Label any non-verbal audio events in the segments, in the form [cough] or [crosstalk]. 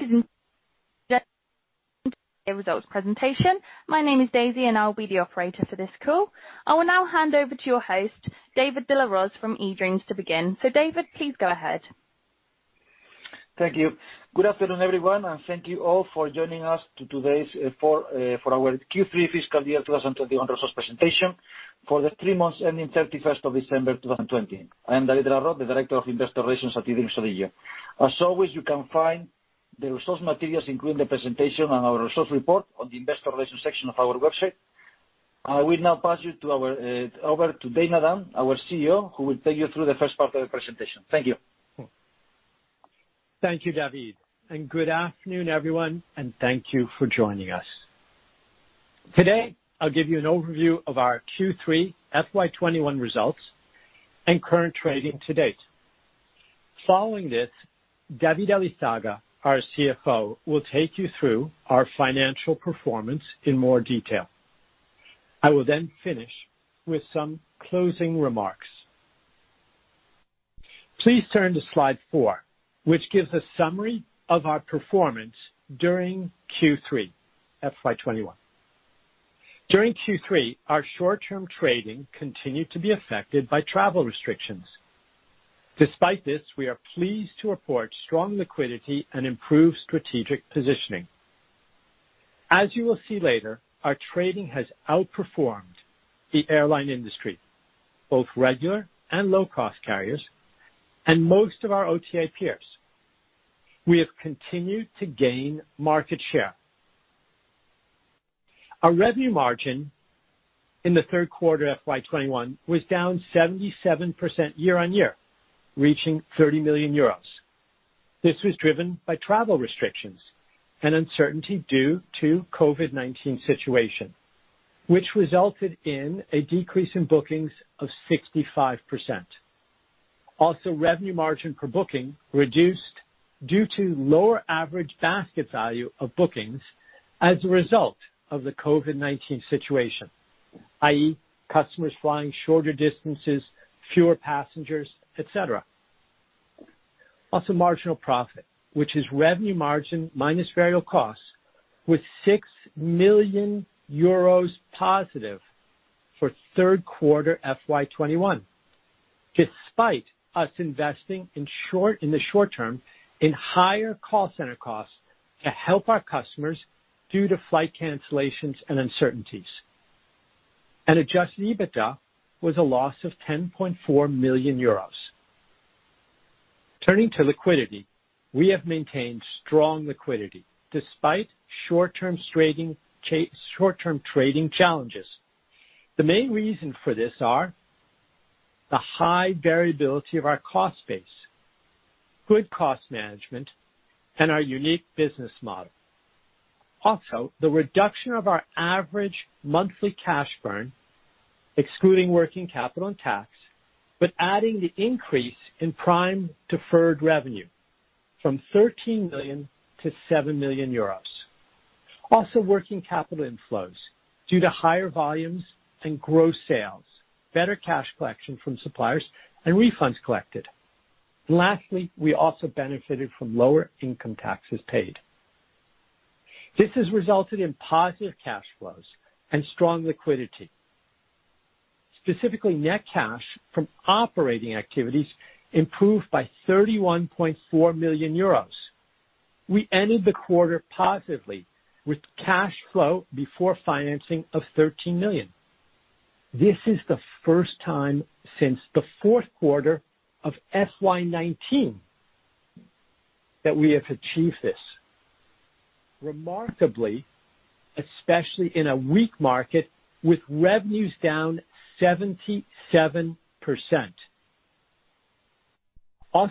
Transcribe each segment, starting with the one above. Ladies and gentlemen [audio distortion] results presentation. My name is Daisy, and I'll be the operator for this call. I will now hand over to your host, David de la Roz from eDreams, to begin. David, please go ahead. Thank you. Good afternoon, everyone. Thank you all for joining us for our Q3 fiscal year 2021 results presentation for the three months ending 31st of December 2020. I am David de la Roz, the Director of Investor Relations at eDreams ODIGEO. As always, you can find the results materials, including the presentation and our results report, on the investor relations section of our website. I will now pass you over to Dana Dunne, our CEO, who will take you through the first part of the presentation. Thank you. Thank you, David, good afternoon, everyone, and thank you for joining us. Today, I'll give you an overview of our Q3 FY 2021 results and current trading to date. Following this, David Elízaga, our CFO, will take you through our financial performance in more detail. I will then finish with some closing remarks. Please turn to slide four, which gives a summary of our performance during Q3 FY 2021. During Q3, our short-term trading continued to be affected by travel restrictions. Despite this, we are pleased to report strong liquidity and improved strategic positioning. As you will see later, our trading has outperformed the airline industry, both regular and low-cost carriers, and most of our OTA peers. We have continued to gain market share. Our revenue margin in the third quarter of FY 2021 was down 77% year-on-year, reaching 30 million euros. This was driven by travel restrictions and uncertainty due to COVID-19 situation, which resulted in a decrease in bookings of 65%. Revenue margin per booking reduced due to lower average basket value of bookings as a result of the COVID-19 situation, i.e., customers flying shorter distances, fewer passengers, et cetera. Marginal profit, which is revenue margin minus variable costs, was 6 million euros positive for third quarter FY 2021, despite us investing in the short term in higher call center costs to help our customers due to flight cancellations and uncertainties. Adjusted EBITDA was a loss of 10.4 million euros. Turning to liquidity, we have maintained strong liquidity despite short-term trading challenges. The main reason for this are the high variability of our cost base, good cost management, and our unique business model. Also, the reduction of our average monthly cash burn, excluding working capital and tax, but adding the increase in Prime deferred revenue from 13 million to 7 million euros. Working capital inflows due to higher volumes and gross sales, better cash collection from suppliers, and refunds collected. Lastly, we also benefited from lower income taxes paid. This has resulted in positive cash flows and strong liquidity. Specifically, net cash from operating activities improved by 31.4 million euros. We ended the quarter positively with cash flow before financing of EUR 13 million. This is the first time since the fourth quarter of FY 2019 that we have achieved this. Remarkably, especially in a weak market with revenues down 77%.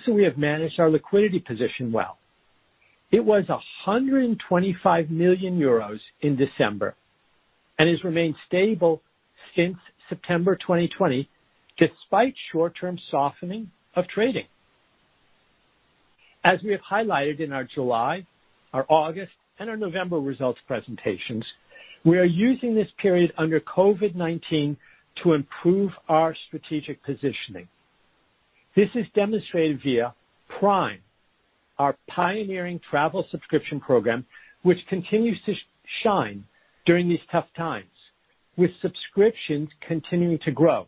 We have managed our liquidity position well. It was 125 million euros in December and has remained stable since September 2020, despite short-term softening of trading. As we have highlighted in our July, our August, and our November results presentations, we are using this period under COVID-19 to improve our strategic positioning. This is demonstrated via Prime, our pioneering travel subscription program, which continues to shine during these tough times, with subscriptions continuing to grow.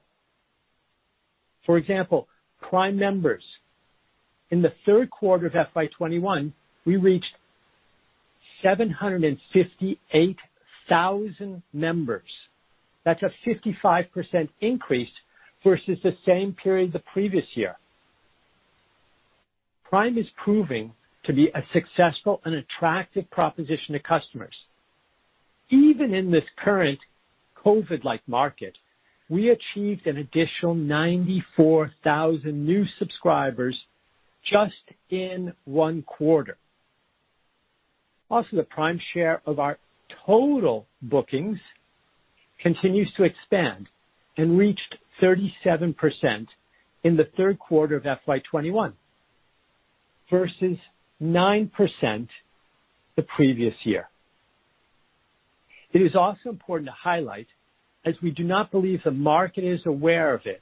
For example, Prime members, in the third quarter of FY 2021, we reached 758,000 members. That's a 55% increase versus the same period the previous year. Prime is proving to be a successful and attractive proposition to customers. Even in this current COVID-like market, we achieved an additional 94,000 new subscribers just in one quarter. The Prime share of our total bookings continues to expand and reached 37% in the third quarter of FY 2021 versus 9% the previous year. It is also important to highlight, as we do not believe the market is aware of it,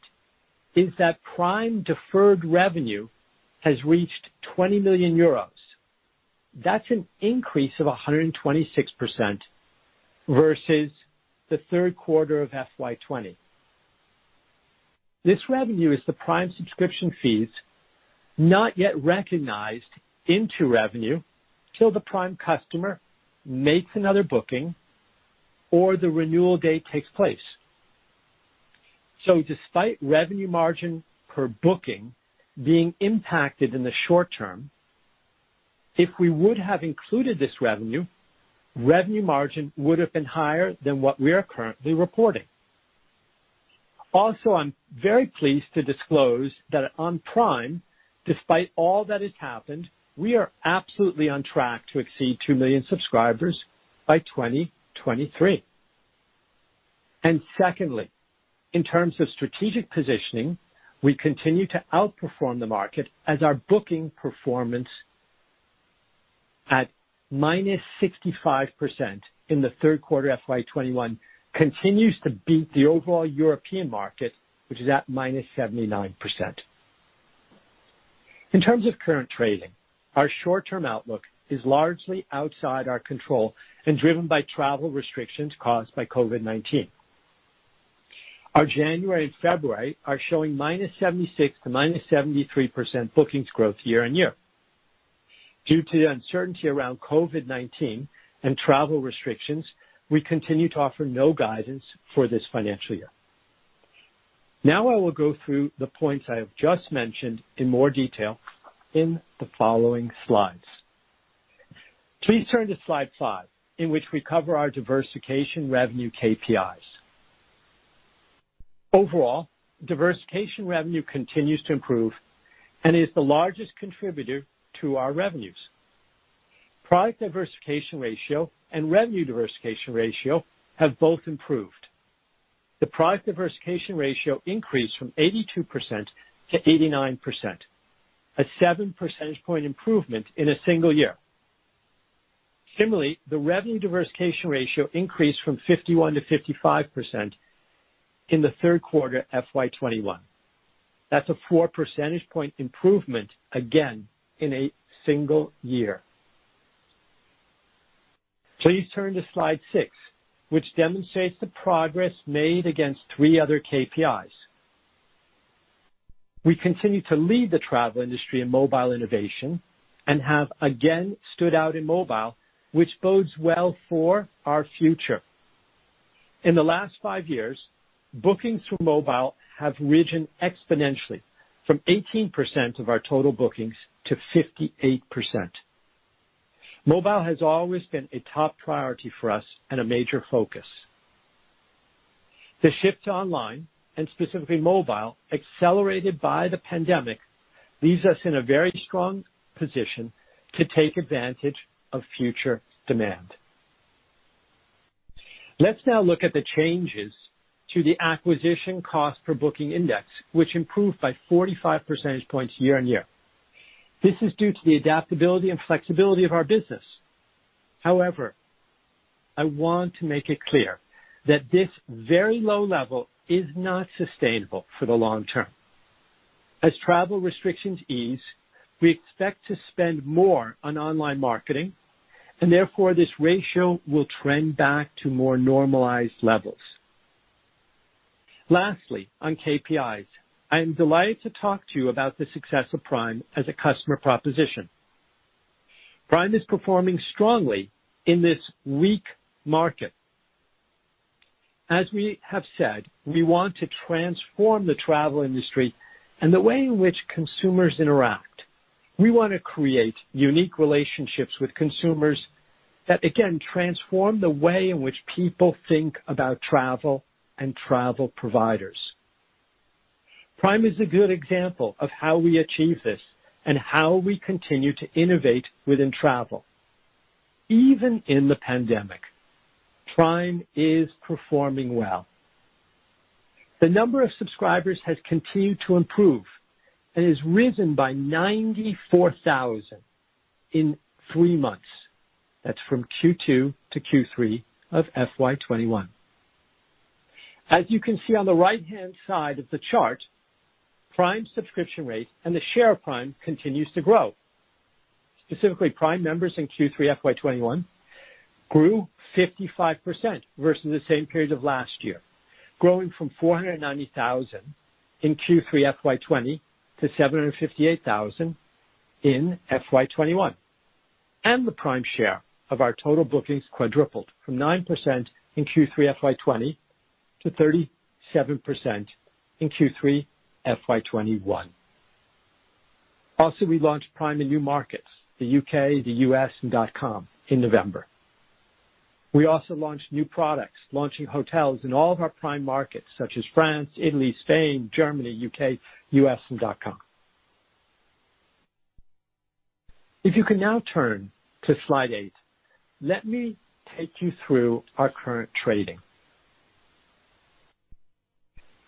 is that Prime deferred revenue has reached 20 million euros. That's an increase of 126% versus the third quarter of FY 2020. This revenue is the Prime subscription fees not yet recognized into revenue till the Prime customer makes another booking or the renewal date takes place. Despite revenue margin per booking being impacted in the short term, if we would have included this revenue, revenue margin would have been higher than what we are currently reporting. I'm very pleased to disclose that on Prime, despite all that has happened, we are absolutely on track to exceed 2 million subscribers by 2023. Secondly, in terms of strategic positioning, we continue to outperform the market as our booking performance at -65% in the third quarter FY 2021 continues to beat the overall European market, which is at -79%. In terms of current trading, our short-term outlook is largely outside our control and driven by travel restrictions caused by COVID-19. Our January and February are showing -76% to -73% bookings growth year-on-year. Due to the uncertainty around COVID-19 and travel restrictions, we continue to offer no guidance for this financial year. I will go through the points I have just mentioned in more detail in the following slides. Please turn to slide five, in which we cover our diversification revenue KPIs. Overall, diversification revenue continues to improve and is the largest contributor to our revenues. Product diversification ratio and revenue diversification ratio have both improved. The product diversification ratio increased from 82% to 89%, a 7 percentage point improvement in a single year. Similarly, the revenue diversification ratio increased from 51% to 55% in the third quarter FY 2021. That's a 4 percentage point improvement, again, in a single year. Please turn to slide six, which demonstrates the progress made against three other KPIs. We continue to lead the travel industry in mobile innovation and have, again, stood out in mobile, which bodes well for our future. In the last five years, bookings through mobile have risen exponentially from 18% of our total bookings to 58%. Mobile has always been a top priority for us and a major focus. The shift to online, and specifically mobile, accelerated by the pandemic, leaves us in a very strong position to take advantage of future demand. Let's now look at the changes to the acquisition cost per booking index, which improved by 45 percentage points year-on-year. This is due to the adaptability and flexibility of our business. However, I want to make it clear that this very low level is not sustainable for the long term. As travel restrictions ease, we expect to spend more on online marketing, and therefore, this ratio will trend back to more normalized levels. Lastly, on KPIs, I am delighted to talk to you about the success of Prime as a customer proposition. Prime is performing strongly in this weak market. As we have said, we want to transform the travel industry and the way in which consumers interact. We want to create unique relationships with consumers that, again, transform the way in which people think about travel and travel providers. Prime is a good example of how we achieve this and how we continue to innovate within travel. Even in the pandemic, Prime is performing well. The number of subscribers has continued to improve and has risen by 94,000 in three months. That's from Q2 to Q3 of FY 2021. As you can see on the right-hand side of the chart, Prime subscription rate and the share of Prime continues to grow. Specifically, Prime members in Q3 FY 2021 grew 55% versus the same period of last year, growing from 490,000 in Q3 FY 2020 to 758,000 in FY 2021. The Prime share of our total bookings quadrupled from 9% in Q3 FY 2020 to 37% in Q3 FY 2021. Also, we launched Prime in new markets, the U.K., the U.S., and .com in November. We also launched new products, launching hotels in all of our Prime markets, such as France, Italy, Spain, Germany, U.K., U.S., and .com. If you can now turn to slide eight, let me take you through our current trading.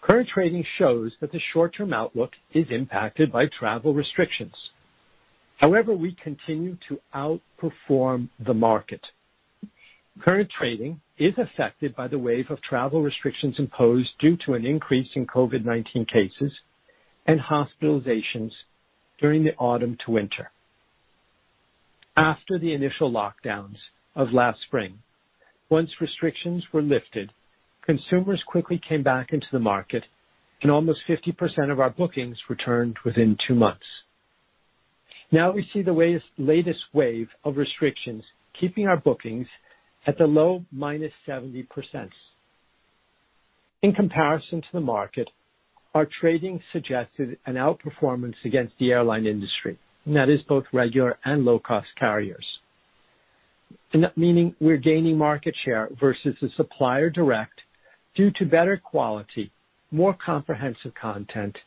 Current trading shows that the short-term outlook is impacted by travel restrictions. However, we continue to outperform the market. Current trading is affected by the wave of travel restrictions imposed due to an increase in COVID-19 cases and hospitalizations during the autumn to winter. After the initial lockdowns of last spring, once restrictions were lifted, consumers quickly came back into the market and almost 50% of our bookings returned within two months. Now we see the latest wave of restrictions keeping our bookings at the low -70%. In comparison to the market, our trading suggested an outperformance against the airline industry, and that is both regular and low-cost carriers. Meaning we're gaining market share versus the supplier direct due to better quality, more comprehensive content,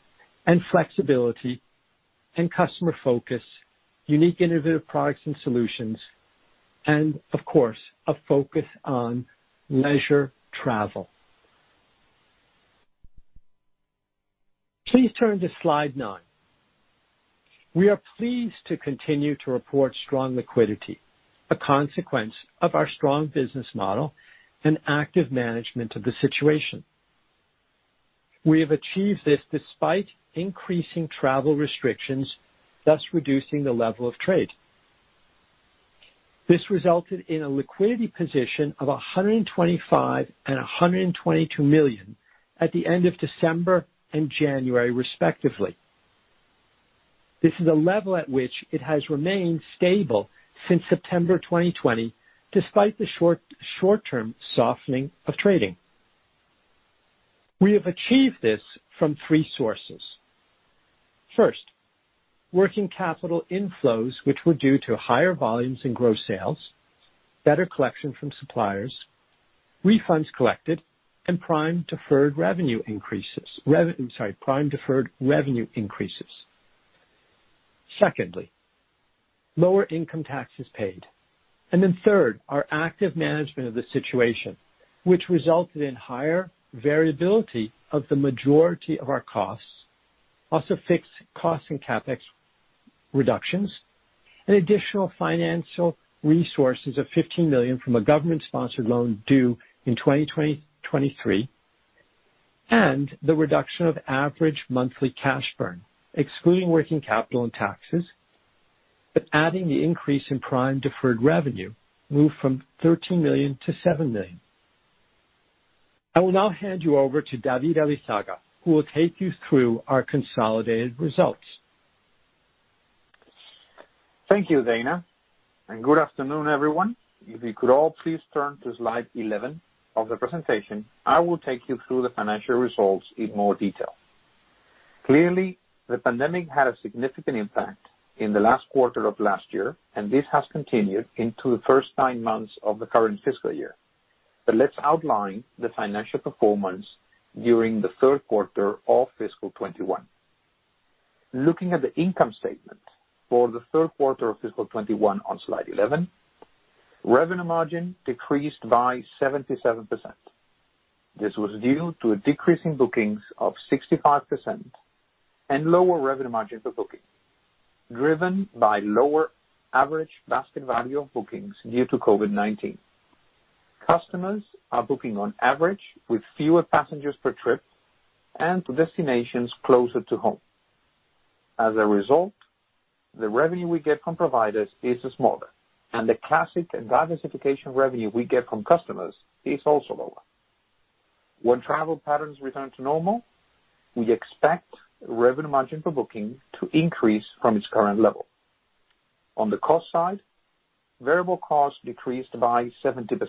and flexibility and customer focus, unique innovative products and solutions, and of course, a focus on leisure travel. Please turn to slide nine. We are pleased to continue to report strong liquidity, a consequence of our strong business model and active management of the situation. We have achieved this despite increasing travel restrictions, thus reducing the level of trade. This resulted in a liquidity position of 125 million and 122 million at the end of December and January, respectively. This is a level at which it has remained stable since September 2020, despite the short-term softening of trading. We have achieved this from three sources. First, working capital inflows, which were due to higher volumes in gross sales, better collection from suppliers, refunds collected, and Prime deferred revenue increases. Secondly, lower income taxes paid. Then third, our active management of the situation, which resulted in higher variability of the majority of our costs, also fixed costs and CapEx reductions, and additional financial resources of 15 million from a government-sponsored loan due in 2023, and the reduction of average monthly cash burn, excluding working capital and taxes, but adding the increase in Prime deferred revenue, moved from 13 million to 7 million. I will now hand you over to David Elízaga, who will take you through our consolidated results. Thank you, Dana, and good afternoon, everyone. If you could all please turn to slide 11 of the presentation, I will take you through the financial results in more detail. Clearly, the pandemic had a significant impact in the last quarter of last year, and this has continued into the first nine months of the current fiscal year. Let's outline the financial performance during the third quarter of fiscal 2021. Looking at the income statement for the third quarter of fiscal 2021 on slide 11, revenue margin decreased by 77%. This was due to a decrease in bookings of 65% and lower revenue margin per booking, driven by lower average basket value of bookings due to COVID-19. Customers are booking on average with fewer passengers per trip and to destinations closer to home. As a result, the revenue we get from providers is smaller, and the classic and diversification revenue we get from customers is also lower. When travel patterns return to normal, we expect revenue margin per booking to increase from its current level. On the cost side, variable costs decreased by 70%,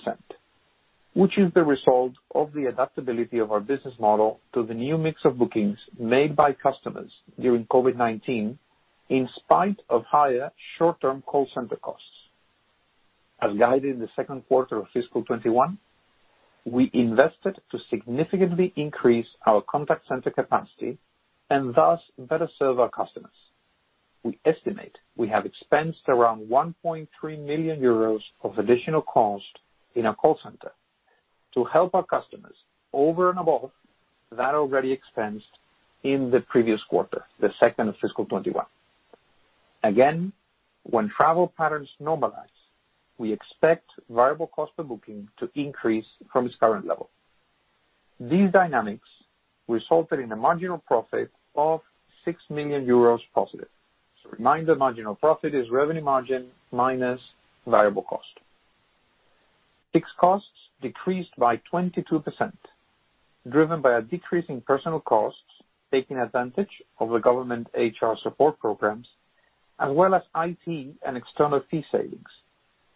which is the result of the adaptability of our business model to the new mix of bookings made by customers during COVID-19, in spite of higher short-term call center costs. As guided in the second quarter of fiscal 2021, we invested to significantly increase our contact center capacity and thus better serve our customers. We estimate we have expensed around 1.3 million euros of additional cost in our call center to help our customers over and above that already expensed in the previous quarter, the second of fiscal 2021. Again, when travel patterns normalize, we expect variable cost per booking to increase from its current level. These dynamics resulted in a marginal profit of 6 million euros positive. Reminder, marginal profit is revenue margin minus variable cost. Fixed costs decreased by 22%, driven by a decrease in personal costs, taking advantage of the government HR support programs, as well as IT and external fee savings,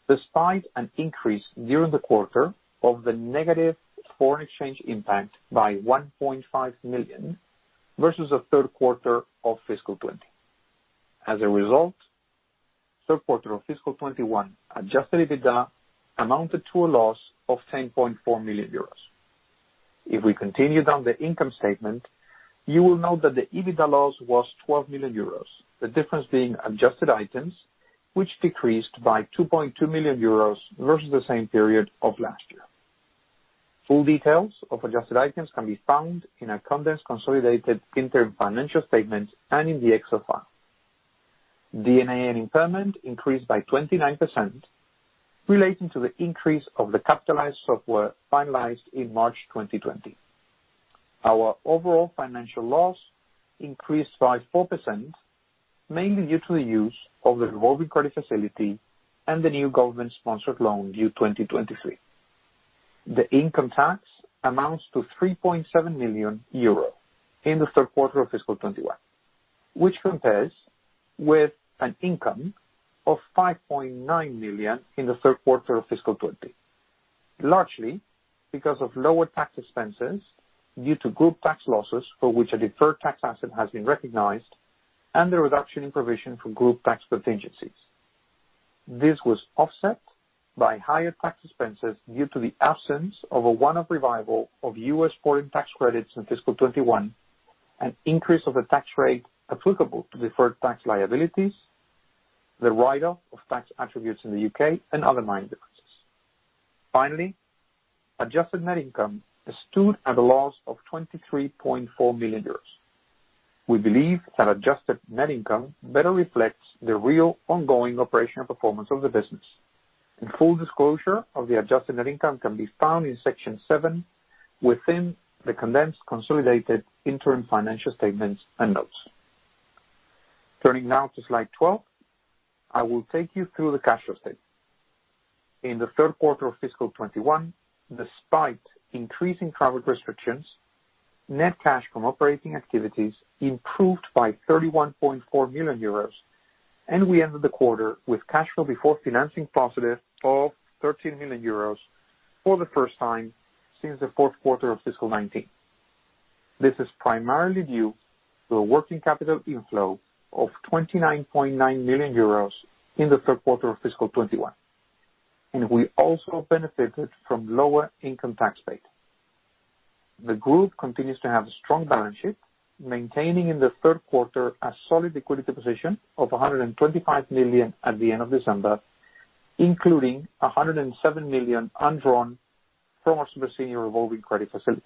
despite an increase during the quarter of the negative foreign exchange impact by 1.5 million versus the third quarter of fiscal 2020. As a result, third quarter of fiscal 2021 adjusted EBITDA amounted to a loss of 10.4 million euros. If we continue down the income statement, you will note that the EBITDA loss was 12 million euros. The difference being adjusted items, which decreased by 2.2 million euros versus the same period of last year. Full details of adjusted items can be found in our condensed consolidated interim financial statement and in the Excel file. D&A and impairment increased by 29%, relating to the increase of the capitalized software finalized in March 2020. Our overall financial loss increased by 4%, mainly due to the use of the revolving credit facility and the new government-sponsored loan due 2023. The income tax amounts to 3.7 million euro in the third quarter of fiscal 2021, which compares with an income of 5.9 million in the third quarter of fiscal 2020, largely because of lower tax expenses due to group tax losses, for which a deferred tax asset has been recognized, and the reduction in provision for group tax contingencies. This was offset by higher tax expenses due to the absence of a one-off revival of U.S. foreign tax credits in fiscal 2021, an increase of a tax rate applicable to deferred tax liabilities, the write-off of tax attributes in the U.K., and other minor differences. Finally, adjusted net income stood at a loss of 23.4 million euros. We believe that adjusted net income better reflects the real ongoing operational performance of the business. A full disclosure of the adjusted net income can be found in section 7 within the condensed consolidated interim financial statements and notes. Turning now to slide 12. I will take you through the cash flow statement. In the third quarter of fiscal 2021, despite increasing travel restrictions, net cash from operating activities improved by 31.4 million euros, and we ended the quarter with cash flow before financing positive of 13 million euros for the first time since the fourth quarter of fiscal 2019. This is primarily due to a working capital inflow of 29.9 million euros in the third quarter of fiscal 2021. We also benefited from lower income tax paid. The group continues to have a strong balance sheet, maintaining in the third quarter a solid liquidity position of 125 million at the end of December, including 107 million undrawn from our super senior revolving credit facility.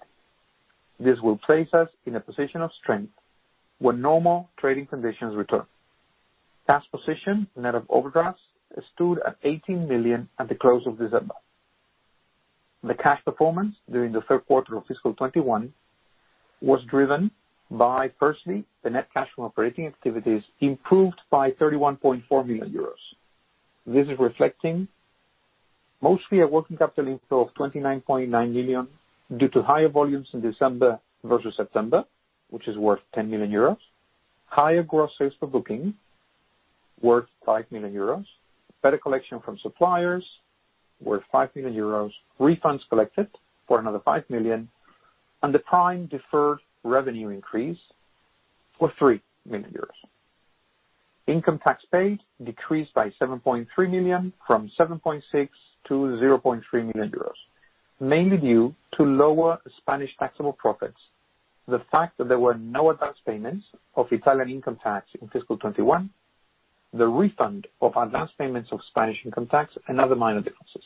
This will place us in a position of strength when normal trading conditions return. Cash position net of overdrafts stood at 18 million at the close of December. The cash performance during the third quarter of fiscal 2021 was driven by, firstly, the net cash from operating activities improved by 31.4 million euros. This is reflecting mostly a working capital inflow of 29.9 million due to higher volumes in December versus September, which is worth 10 million euros, higher gross sales per booking worth 5 million euros, better collection from suppliers worth 5 million euros, refunds collected for another 5 million, and the Prime deferred revenue increase for 3 million euros. Income tax paid decreased by 7.3 million, from 7.6 million to 0.3 million euros, mainly due to lower Spanish taxable profits, the fact that there were no advance payments of Italian income tax in fiscal 2021, the refund of advance payments of Spanish income tax, and other minor differences.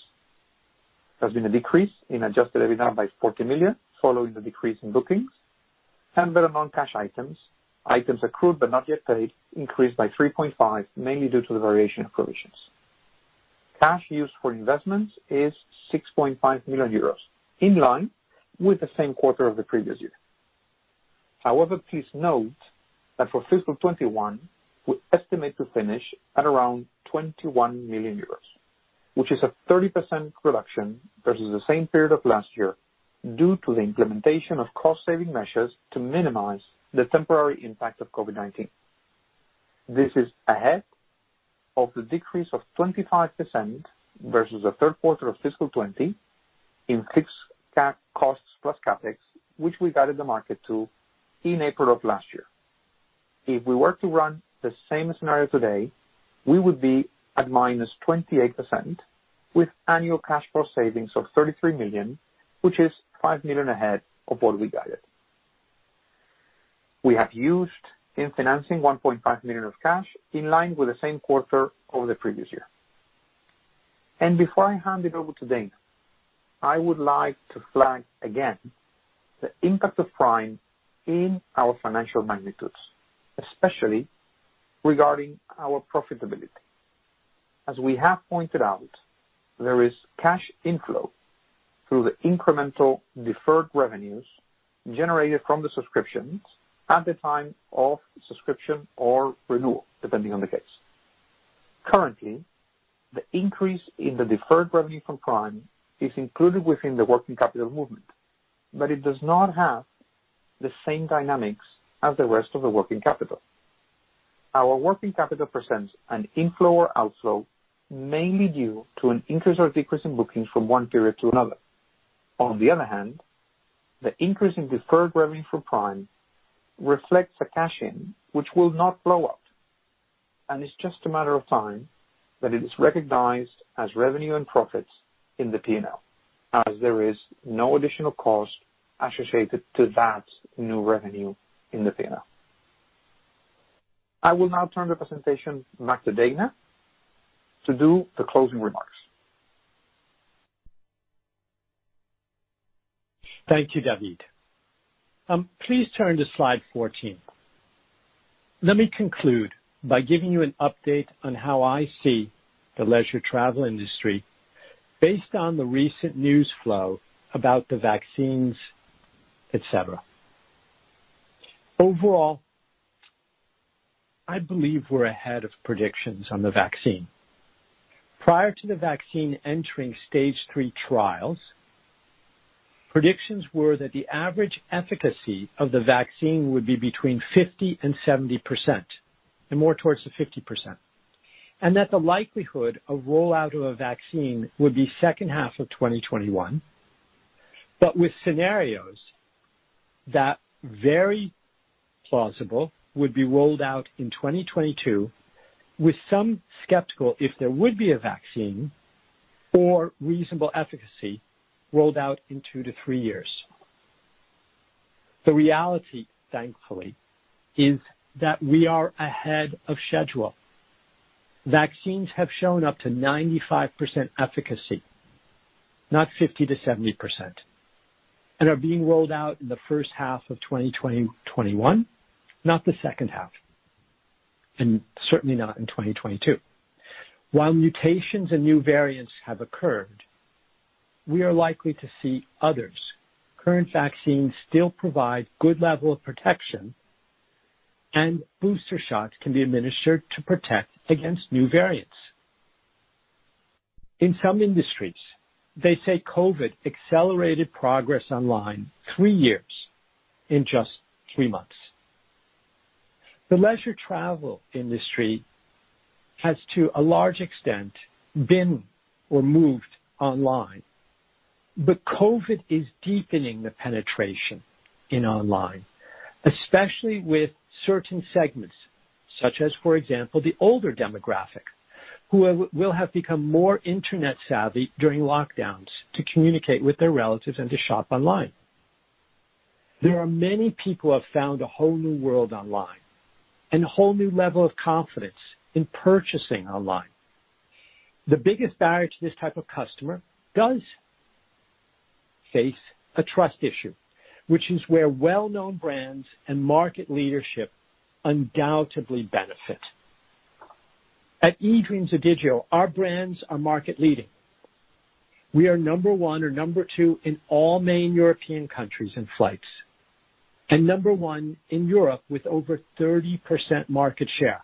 There's been a decrease in adjusted EBITDA by 40 million, following the decrease in bookings, and better non-cash items. Items accrued but not yet paid increased by 3.5 million, mainly due to the variation of provisions. Cash used for investments is 6.5 million euros, in line with the same quarter of the previous year. Please note that for fiscal 2021, we estimate to finish at around 21 million euros, which is a 30% reduction versus the same period of last year due to the implementation of cost-saving measures to minimize the temporary impact of COVID-19. This is ahead of the decrease of 25% versus the third quarter of fiscal 2020 in fixed cap costs plus CapEx, which we guided the market to in April of last year. If we were to run the same scenario today, we would be at minus 28% with annual cash flow savings of 33 million, which is 5 million ahead of what we guided. We have used in financing 1.5 million of cash, in line with the same quarter of the previous year. Before I hand it over to Dana, I would like to flag again the impact of Prime in our financial magnitudes, especially regarding our profitability. As we have pointed out, there is cash inflow through the incremental deferred revenues generated from the subscriptions at the time of subscription or renewal, depending on the case. Currently, the increase in the deferred revenue from Prime is included within the working capital movement, but it does not have the same dynamics as the rest of the working capital. Our working capital presents an inflow or outflow mainly due to an increase or decrease in bookings from one period to another. On the other hand, the increase in deferred revenue for Prime reflects a cash-in, which will not [blow up]. It's just a matter of time that it is recognized as revenue and profits in the P&L, as there is no additional cost associated to that new revenue in the P&L. I will now turn the presentation back to Dana to do the closing remarks. Thank you, David. Please turn to slide 14. Let me conclude by giving you an update on how I see the leisure travel industry based on the recent news flow about the vaccines, et cetera. Overall, I believe we're ahead of predictions on the vaccine. Prior to the vaccine entering stage 3 trials, predictions were that the average efficacy of the vaccine would be between 50% and 70%, and more towards the 50%. That the likelihood of rollout of a vaccine would be second half of 2021, but with scenarios that, very plausible, would be rolled out in 2022, with some skeptical if there would be a vaccine or reasonable efficacy rolled out in two to three years. The reality, thankfully, is that we are ahead of schedule. Vaccines have shown up to 95% efficacy, not 50%-70%, and are being rolled out in the first half of 2021, not the second half, and certainly not in 2022. While mutations and new variants have occurred, we are likely to see others. Current vaccines still provide good level of protection, and booster shots can be administered to protect against new variants. In some industries, they say COVID accelerated progress online three years in just three months. The leisure travel industry has, to a large extent, been or moved online. COVID is deepening the penetration in online, especially with certain segments such as, for example, the older demographic, who will have become more internet savvy during lockdowns to communicate with their relatives and to shop online. There are many people who have found a whole new world online and a whole new level of confidence in purchasing online. The biggest barrier to this type of customer does face a trust issue, which is where well-known brands and market leadership undoubtedly benefit. At eDreams ODIGEO, our brands are market leading. We are number one or number two in all main European countries in flights, and number one in Europe with over 30% market share.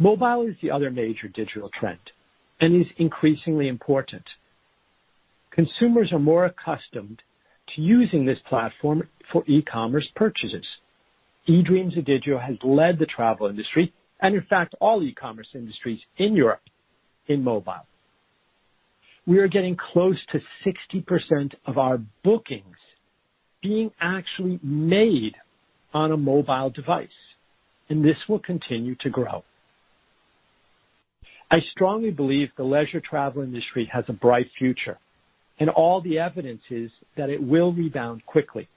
Mobile is the other major digital trend and is increasingly important. Consumers are more accustomed to using this platform for e-commerce purchases. eDreams ODIGEO has led the travel industry, and in fact, all e-commerce industries in Europe, in mobile. We are getting close to 60% of our bookings being actually made on a mobile device, and this will continue to grow. I strongly believe the leisure travel industry has a bright future, and all the evidence is that it will rebound quickly.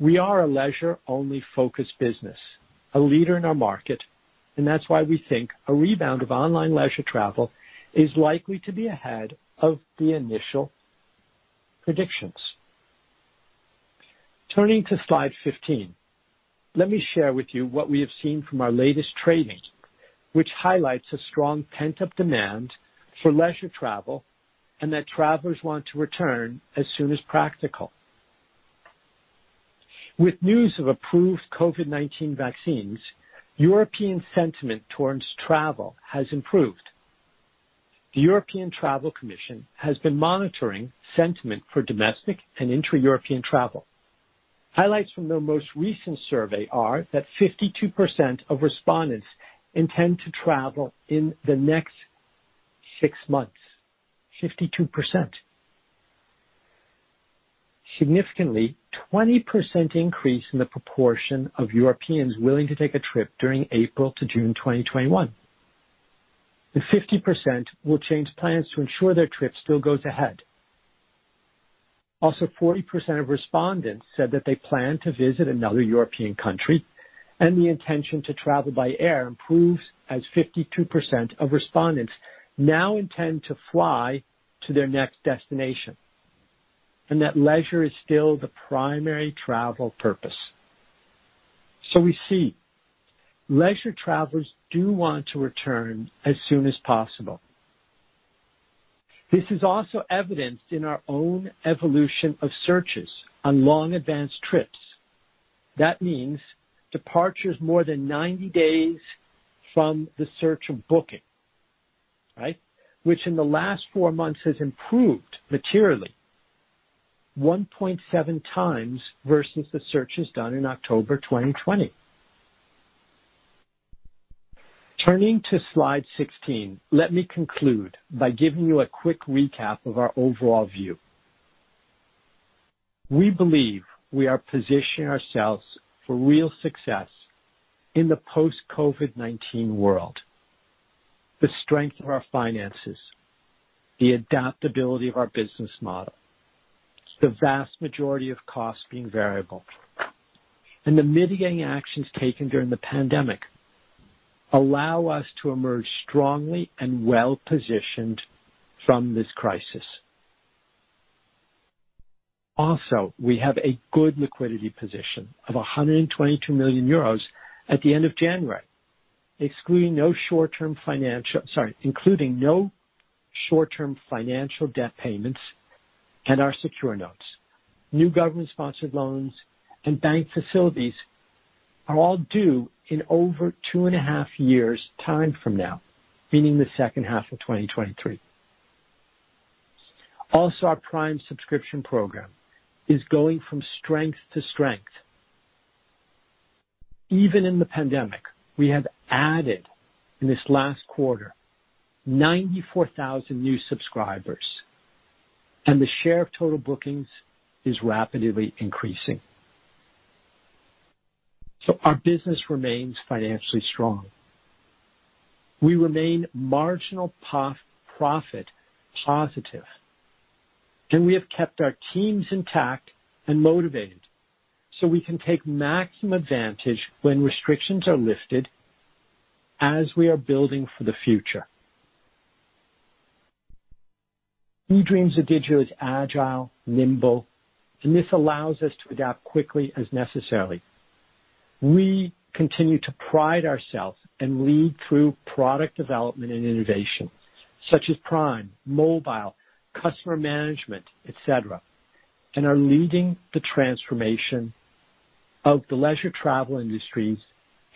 We are a leisure-only focused business, a leader in our market, and that's why we think a rebound of online leisure travel is likely to be ahead of the initial predictions. Turning to slide 15, let me share with you what we have seen from our latest trading, which highlights a strong pent-up demand for leisure travel and that travelers want to return as soon as practical. With news of approved COVID-19 vaccines, European sentiment towards travel has improved. The European Travel Commission has been monitoring sentiment for domestic and intra-European travel. Highlights from their most recent survey are that 52% of respondents intend to travel in the next six months. 52%. Significantly, 20% increase in the proportion of Europeans willing to take a trip during April to June 2021. The 50% will change plans to ensure their trip still goes ahead. Also, 40% of respondents said that they plan to visit another European country, and the intention to travel by air improves as 52% of respondents now intend to fly to their next destination, and that leisure is still the primary travel purpose. We see leisure travelers do want to return as soon as possible. This is also evidenced in our own evolution of searches on long advanced trips. That means departures more than 90 days from the search of booking, right? Which in the last four months has improved materially, 1.7 times versus the searches done in October 2020. Turning to slide 16, let me conclude by giving you a quick recap of our overall view. We believe we are positioning ourselves for real success in the post-COVID-19 world. The strength of our finances, the adaptability of our business model, the vast majority of costs being variable, and the mitigating actions taken during the pandemic allow us to emerge strongly and well-positioned from this crisis. We have a good liquidity position of 122 million euros at the end of January, including no short-term financial debt payments and our secure notes. New government-sponsored loans and bank facilities are all due in over 2.5 years' time from now, meaning the second half of 2023. Our Prime subscription program is going from strength to strength. Even in the pandemic, we have added, in this last quarter, 94,000 new subscribers, and the share of total bookings is rapidly increasing. Our business remains financially strong. We remain marginal profit positive, and we have kept our teams intact and motivated so we can take maximum advantage when restrictions are lifted as we are building for the future. eDreams ODIGEO is agile, nimble, and this allows us to adapt quickly as necessary. We continue to pride ourselves and lead through product development and innovation, such as Prime, mobile, customer management, et cetera, and are leading the transformation of the leisure travel industries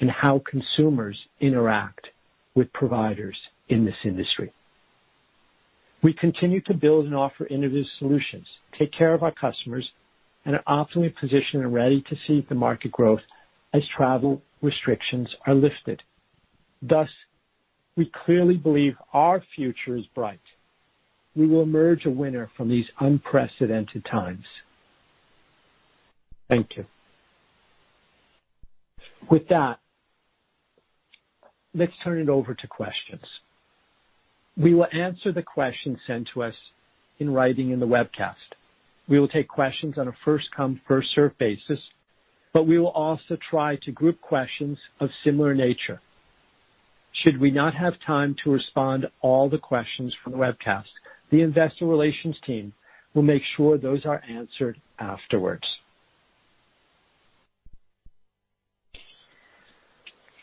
and how consumers interact with providers in this industry. We continue to build and offer innovative solutions, take care of our customers, and are optimally positioned and ready to seize the market growth as travel restrictions are lifted. Thus, we clearly believe our future is bright. We will emerge a winner from these unprecedented times. Thank you. With that, let's turn it over to questions. We will answer the questions sent to us in writing in the webcast. We will take questions on a first-come, first-served basis, we will also try to group questions of similar nature. Should we not have time to respond to all the questions from the webcast, the investor relations team will make sure those are answered afterwards.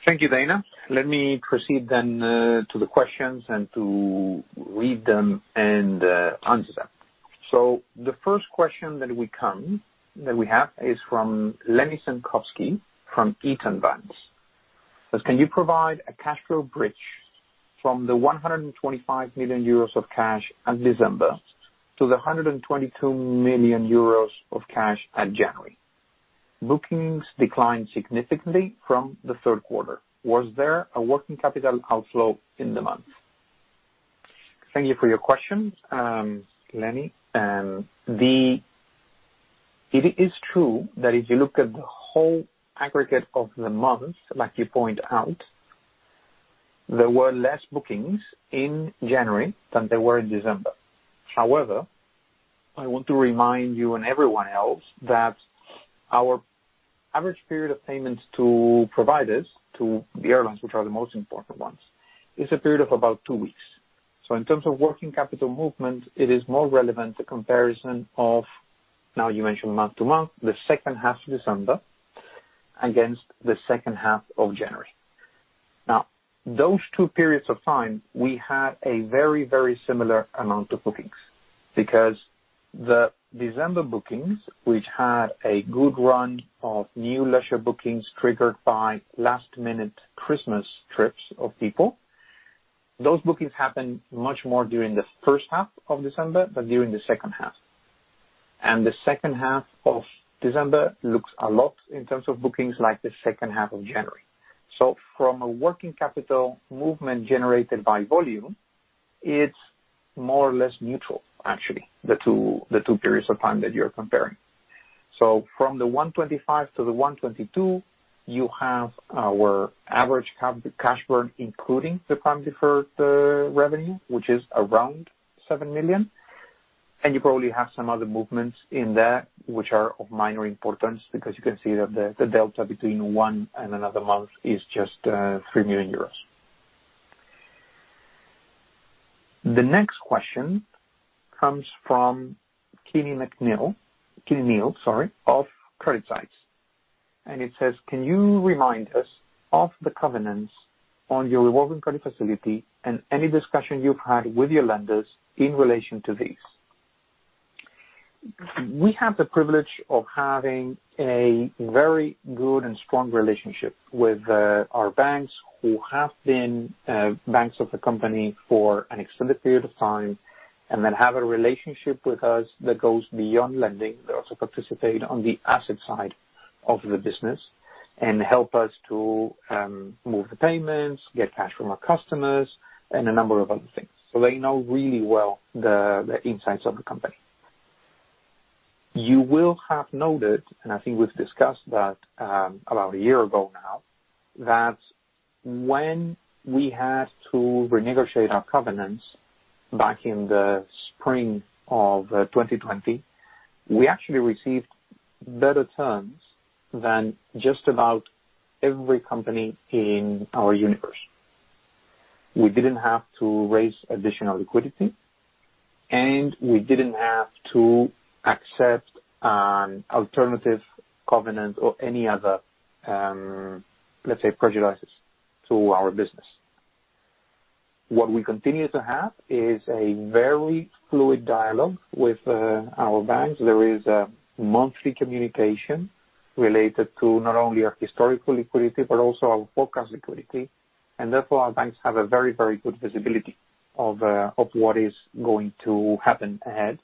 Thank you, Dana. Let me proceed to the questions and to read them and answer them. The first question that we have is from Lenny Senkovsky from Eaton Vance says, "Can you provide a cash flow bridge from the 125 million euros of cash at December to the 122 million euros of cash at January? Bookings declined significantly from the third quarter. Was there a working capital outflow in the month?" Thank you for your question, Lenny. It is true that if you look at the whole aggregate of the month, like you point out, there were less bookings in January than there were in December. However, I want to remind you and everyone else that our average period of payments to providers, to the airlines, which are the most important ones, is a period of about two weeks. In terms of working capital movement, it is more relevant the comparison of, now you mentioned month-to-month, the second half of December against the second half of January. Those two periods of time, we had a very similar amount of bookings because the December bookings, which had a good run of new leisure bookings triggered by last-minute Christmas trips of people, those bookings happened much more during the first half of December than during the second half. The second half of December looks a lot, in terms of bookings, like the second half of January. From a working capital movement generated by volume, it's more or less neutral, actually, the two periods of time that you're comparing. From the 125 million to the 122 million, you have our average cash burn, including the Prime deferred revenue, which is around 7 million. You probably have some other movements in there which are of minor importance because you can see that the delta between one and another month is just 3 million euros. The next question comes from Keaney, Neill of CreditSights. It says, "Can you remind us of the covenants on your revolving credit facility and any discussion you've had with your lenders in relation to these?" We have the privilege of having a very good and strong relationship with our banks, who have been banks of the company for an extended period of time and that have a relationship with us that goes beyond lending. They also participate on the asset side of the business, and help us to move the payments, get cash from our customers, and a number of other things. They know really well the insights of the company. You will have noted, I think we've discussed that about a year ago now, that when we had to renegotiate our covenants back in the spring of 2020, we actually received better terms than just about every company in our universe. We didn't have to raise additional liquidity, and we didn't have to accept an alternative covenant or any other, let's say, prejudices to our business. What we continue to have is a very fluid dialogue with our banks. There is a monthly communication related to not only our historical liquidity, but also our forecast liquidity, therefore our banks have a very good visibility of what is going to happen ahead.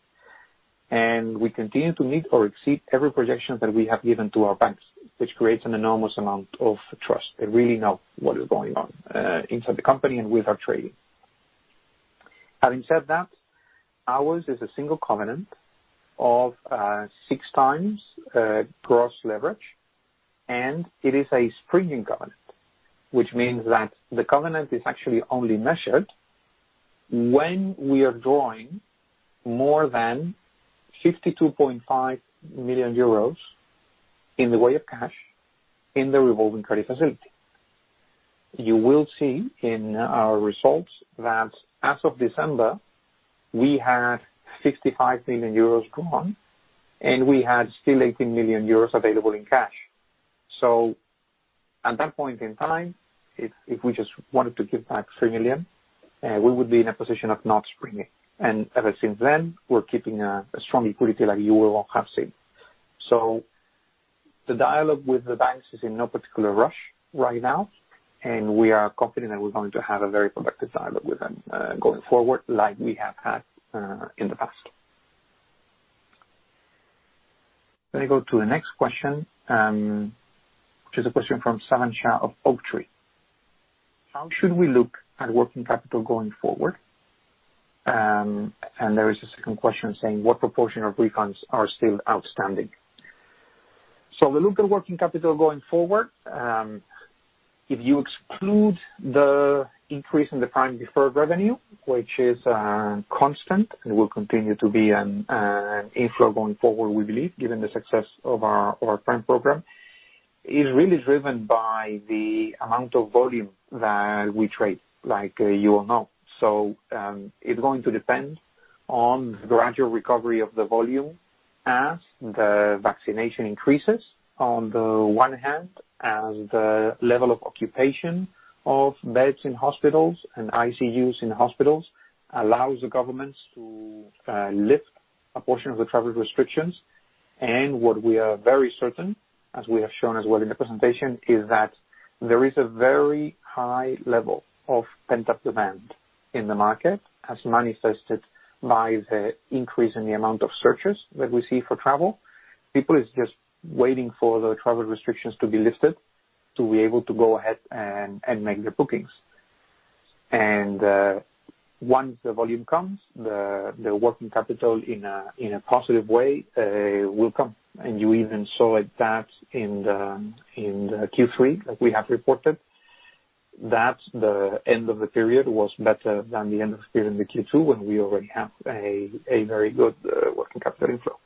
We continue to meet or exceed every projection that we have given to our banks, which creates an enormous amount of trust. They really know what is going on inside the company and with our trading. Having said that, ours is a single covenant of 6x gross leverage, and it is a springing covenant. Which means that the covenant is actually only measured when we are drawing more than 52.5 million euros in the way of cash in the super senior revolving credit facility. You will see in our results that as of December, we had 65 million euros drawn, and we had still 18 million euros available in cash. At that point in time, if we just wanted to give back 3 million, we would be in a position of not springing. Ever since then, we're keeping a strong liquidity like you will have seen. The dialogue with the banks is in no particular rush right now, and we are confident that we're going to have a very productive dialogue with them, going forward like we have had in the past. Let me go to the next question, which is a question from Savan Shah of Oaktree. How should we look at working capital going forward? There is a second question saying, "What proportion of refunds are still outstanding?" The look at working capital going forward, if you exclude the increase in the Prime deferred revenue, which is a constant and will continue to be an inflow going forward, we believe, given the success of our Prime program, is really driven by the amount of volume that we trade, like you will know. It's going to depend on the gradual recovery of the volume as the vaccination increases on the one hand, and the level of occupation of beds in hospitals and ICUs in hospitals allows the governments to lift a portion of the travel restrictions. What we are very certain, as we have shown as well in the presentation, is that there is a very high level of pent-up demand in the market, as manifested by the increase in the amount of searches that we see for travel. People is just waiting for the travel restrictions to be lifted to be able to go ahead and make their bookings. Once the volume comes, the working capital in a positive way, will come. You even saw that in the Q3 that we have reported, that the end of the period was better than the end of the period in the Q2 when we already have a very good working capital inflow.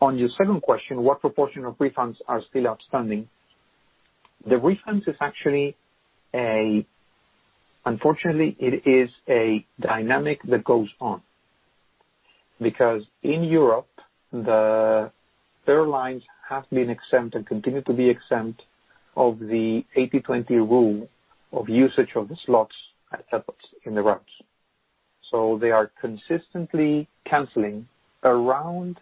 On your second question, what proportion of refunds are still outstanding? The refunds, unfortunately, it is a dynamic that goes on. Because in Europe, the airlines have been exempt and continue to be exempt of the 80/20 rule of usage of the slots at airports in the routes. So they are consistently canceling around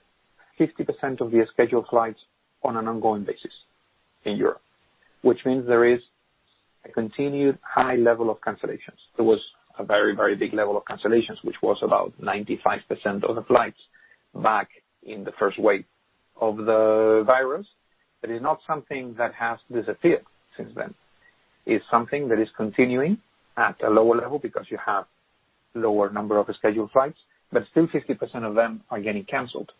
50% of their scheduled flights on an ongoing basis in Europe, which means there is a continued high level of cancellations. There was a very big level of cancellations, which was about 95% of the flights back in the first wave of the virus. That is not something that has disappeared since then. It is something that is continuing at a lower level because you have lower number of scheduled flights, but still 50% of them are getting canceled.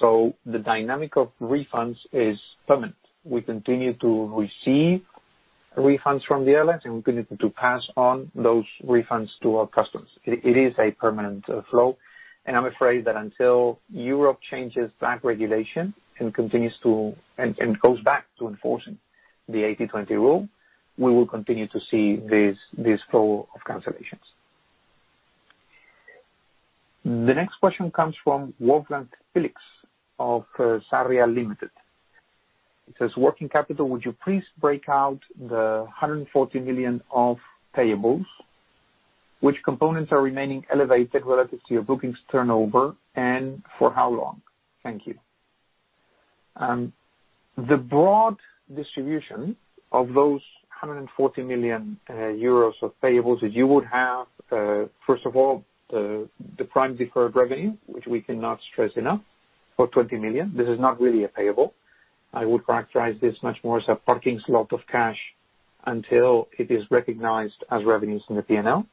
So, the dynamic of refunds is permanent. We continue to receive refunds from the airlines, and we continue to pass on those refunds to our customers. It is a permanent flow, and I'm afraid that until Europe changes that regulation and goes back to enforcing the 80/20 rule, we will continue to see this flow of cancellations. The next question comes from Wolfgang Felix of Sarria Limited. It says, "Working capital, would you please break out the 140 million of payables? Which components are remaining elevated relative to your bookings turnover, and for how long? Thank you." The broad distribution of those 140 million euros of payables is you would have, first of all, the Prime deferred revenue, which we cannot stress enough, for 20 million. This is not really a payable. I would characterize this much more as a parking slot of cash until it is recognized as revenues in the P&L.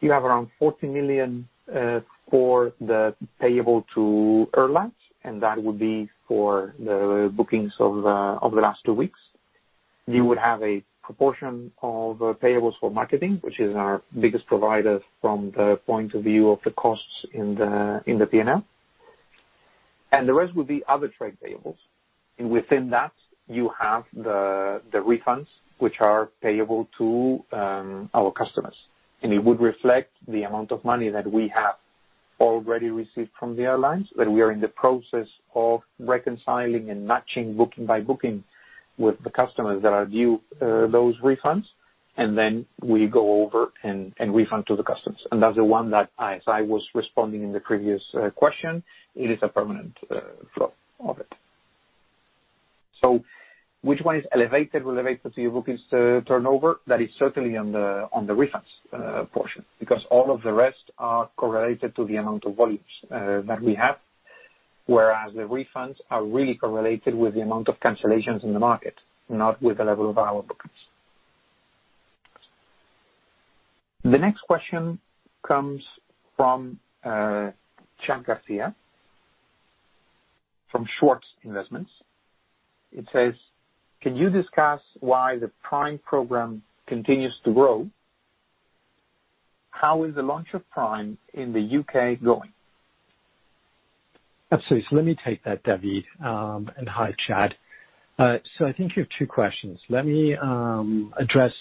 You have around 40 million for the payable to airlines, and that would be for the bookings of the last two weeks. You would have a proportion of payables for marketing, which is our biggest provider from the point of view of the costs in the P&L. The rest would be other trade payables. Within that, you have the refunds which are payable to our customers. It would reflect the amount of money that we have already received from the airlines, that we are in the process of reconciling and matching booking by booking with the customers that are due those refunds, and then we go over and refund to the customers. That's the one that, as I was responding in the previous question, it is a permanent flow of it. Which one is elevated with respect to bookings turnover? That is certainly on the refunds portion, because all of the rest are correlated to the amount of volumes that we have, whereas the refunds are really correlated with the amount of cancellations in the market, not with the level of our bookings. The next question comes from Chadd Garcia from Schwartz Investments. It says, "Can you discuss why the Prime program continues to grow? How is the launch of Prime in the U.K. going?" Absolutely. Let me take that, David. Hi, Chadd. I think you have two questions. Let me address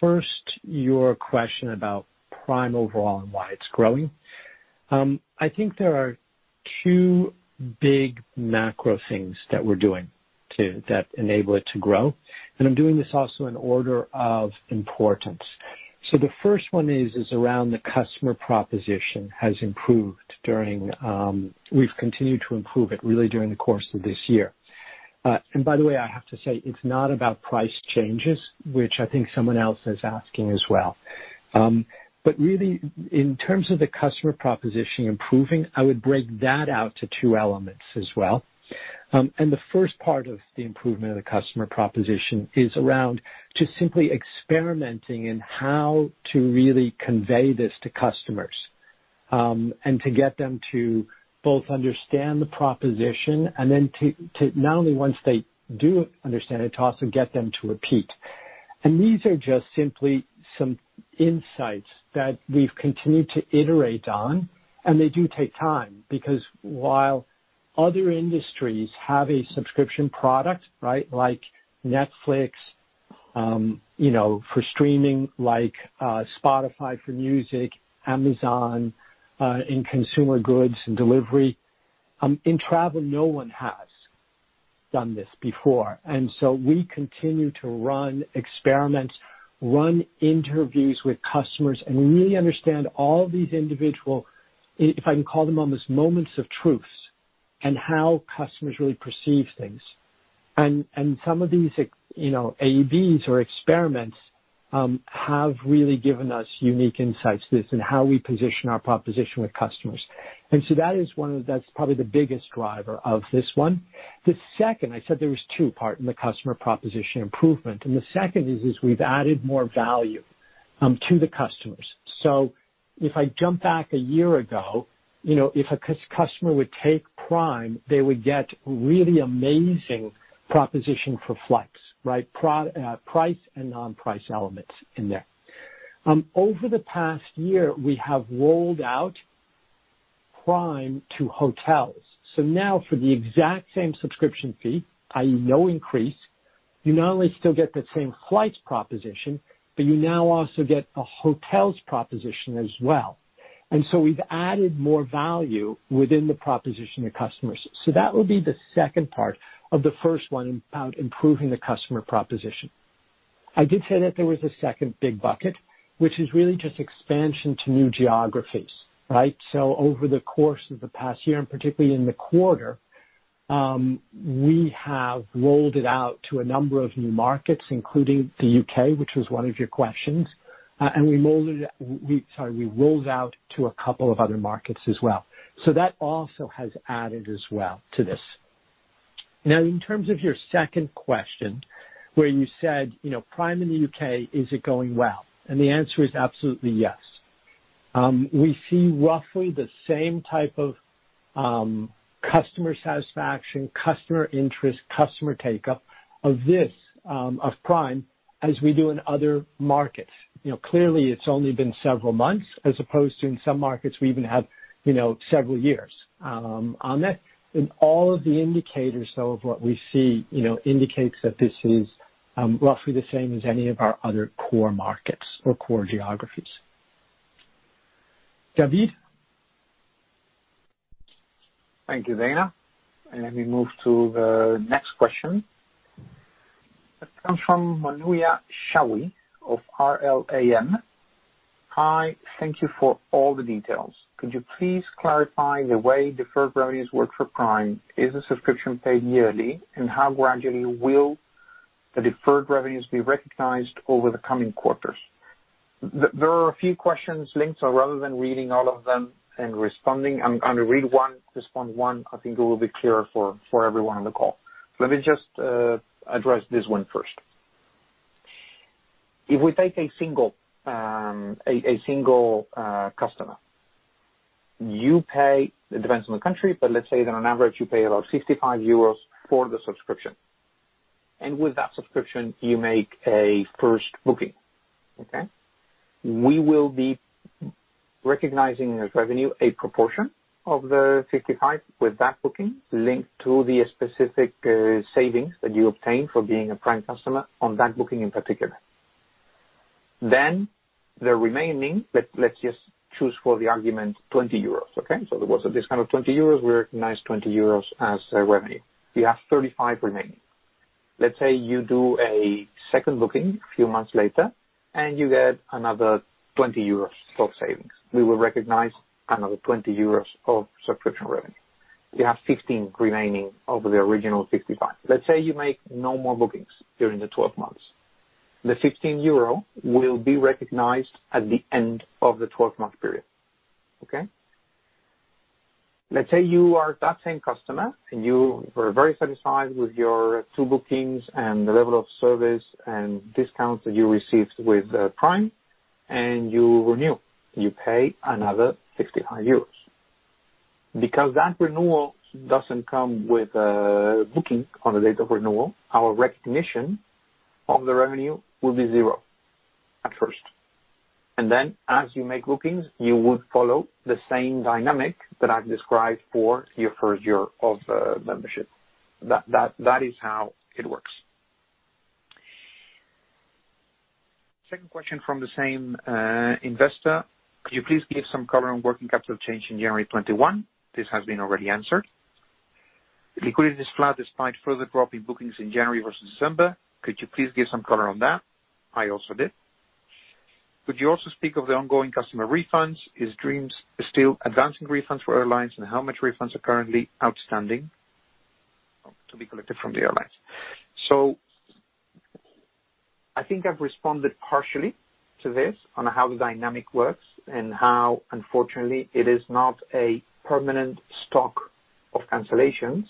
first your question about Prime overall and why it's growing. I think there are two big macro things that we're doing that enable it to grow, and I'm doing this also in order of importance. The first one is around the customer proposition. We've continued to improve it, really during the course of this year. By the way, I have to say, it's not about price changes, which I think someone else is asking as well. Really, in terms of the customer proposition improving, I would break that out to two elements as well. The first part of the improvement of the customer proposition is around just simply experimenting in how to really convey this to customers, and to get them to both understand the proposition and then to, not only once they do understand it, to also get them to repeat. These are just simply some insights that we've continued to iterate on, and they do take time, because while other industries have a subscription product, like Netflix for streaming, like Spotify for music, Amazon in consumer goods and delivery. In travel, no one has done this before. We continue to run experiments, run interviews with customers, and really understand all these individual, if I can call them, almost moments of truths, and how customers really perceive things. Some of these A/Bs or experiments have really given us unique insights into this and how we position our proposition with customers. That's probably the biggest driver of this one. The second, I said there was two part in the customer proposition improvement, and the second is we've added more value to the customers. If I jump back a year ago, if a customer would take Prime, they would get really amazing proposition for flights, price and non-price elements in there. Over the past year, we have rolled out Prime to hotels. Now for the exact same subscription fee, i.e. no increase, you not only still get the same flights proposition, but you now also get a hotels proposition as well. We've added more value within the proposition to customers. That would be the second part of the first one about improving the customer proposition. I did say that there was a second big bucket, which is really just expansion to new geographies. Over the course of the past year, and particularly in the quarter, we have rolled it out to a number of new markets, including the U.K., which was one of your questions. We rolled out to a couple of other markets as well. That also has added as well to this. In terms of your second question, where you said, "Prime in the U.K., is it going well?" The answer is absolutely yes. We see roughly the same type of customer satisfaction, customer interest, customer take-up of Prime as we do in other markets. Clearly, it's only been several months as opposed to in some markets we even have several years on it. All of the indicators, though, of what we see, indicates that this is roughly the same as any of our other core markets or core geographies. David? Thank you, Dana. We move to the next question. That comes from Mounia Chaoui of RLAM, "Hi. Thank you for all the details. Could you please clarify the way deferred revenues work for Prime? Is the subscription paid yearly, and how gradually will the deferred revenues be recognized over the coming quarters?" There are a few questions linked, rather than reading all of them and responding, I'm going to read one, respond one. I think it will be clearer for everyone on the call. Let me just address this one first. If we take a single customer, you pay, it depends on the country, but let's say that on average, you pay about 55 euros for the subscription. With that subscription, you make a first booking. Okay? We will be recognizing as revenue a proportion of the 55 with that booking linked to the specific savings that you obtain for being a Prime customer on that booking in particular. The remaining, let's just choose for the argument 20 euros, okay? There was a discount of 20 euros, we recognize 20 euros as revenue. You have 35 remaining. Let's say you do a second booking a few months later, and you get another 20 euros of savings. We will recognize another 20 euros of subscription revenue. You have 15 remaining of the original 55. Let's say you make no more bookings during the 12 months. The 15 euro will be recognized at the end of the 12-month period. Okay? Let's say you are that same customer and you were very satisfied with your two bookings and the level of service and discounts that you received with Prime, and you renew. You pay another 65 euros. Because that renewal doesn't come with a booking on the date of renewal, our recognition of the revenue will be zero at first. As you make bookings, you would follow the same dynamic that I've described for your first year of membership. That is how it works. Second question from the same investor, "Could you please give some color on working capital change in January 2021?" This has been already answered. Liquidity is flat despite further drop in bookings in January versus December. Could you please give some color on that? I also did. Could you also speak of the ongoing customer refunds? Is eDreams still advancing refunds for airlines, and how much refunds are currently outstanding to be collected from the airlines? I think I've responded partially to this on how the dynamic works and how, unfortunately, it is not a permanent stock of cancellations,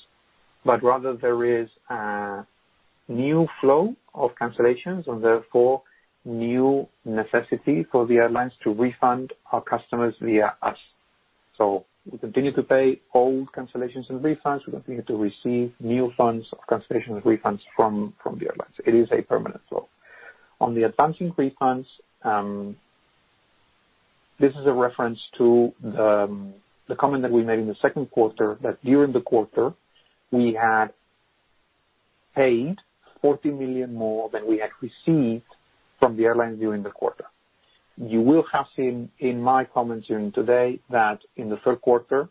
but rather there is a new flow of cancellations and therefore new necessity for the airlines to refund our customers via us. We continue to pay old cancellations and refunds. We continue to receive new funds of cancellations refunds from the airlines. It is a permanent flow. On the advancing refunds, this is a reference to the comment that we made in the second quarter that during the quarter, we had paid 40 million more than we had received from the airlines during the quarter. You will have seen in my comments during today that in the third quarter,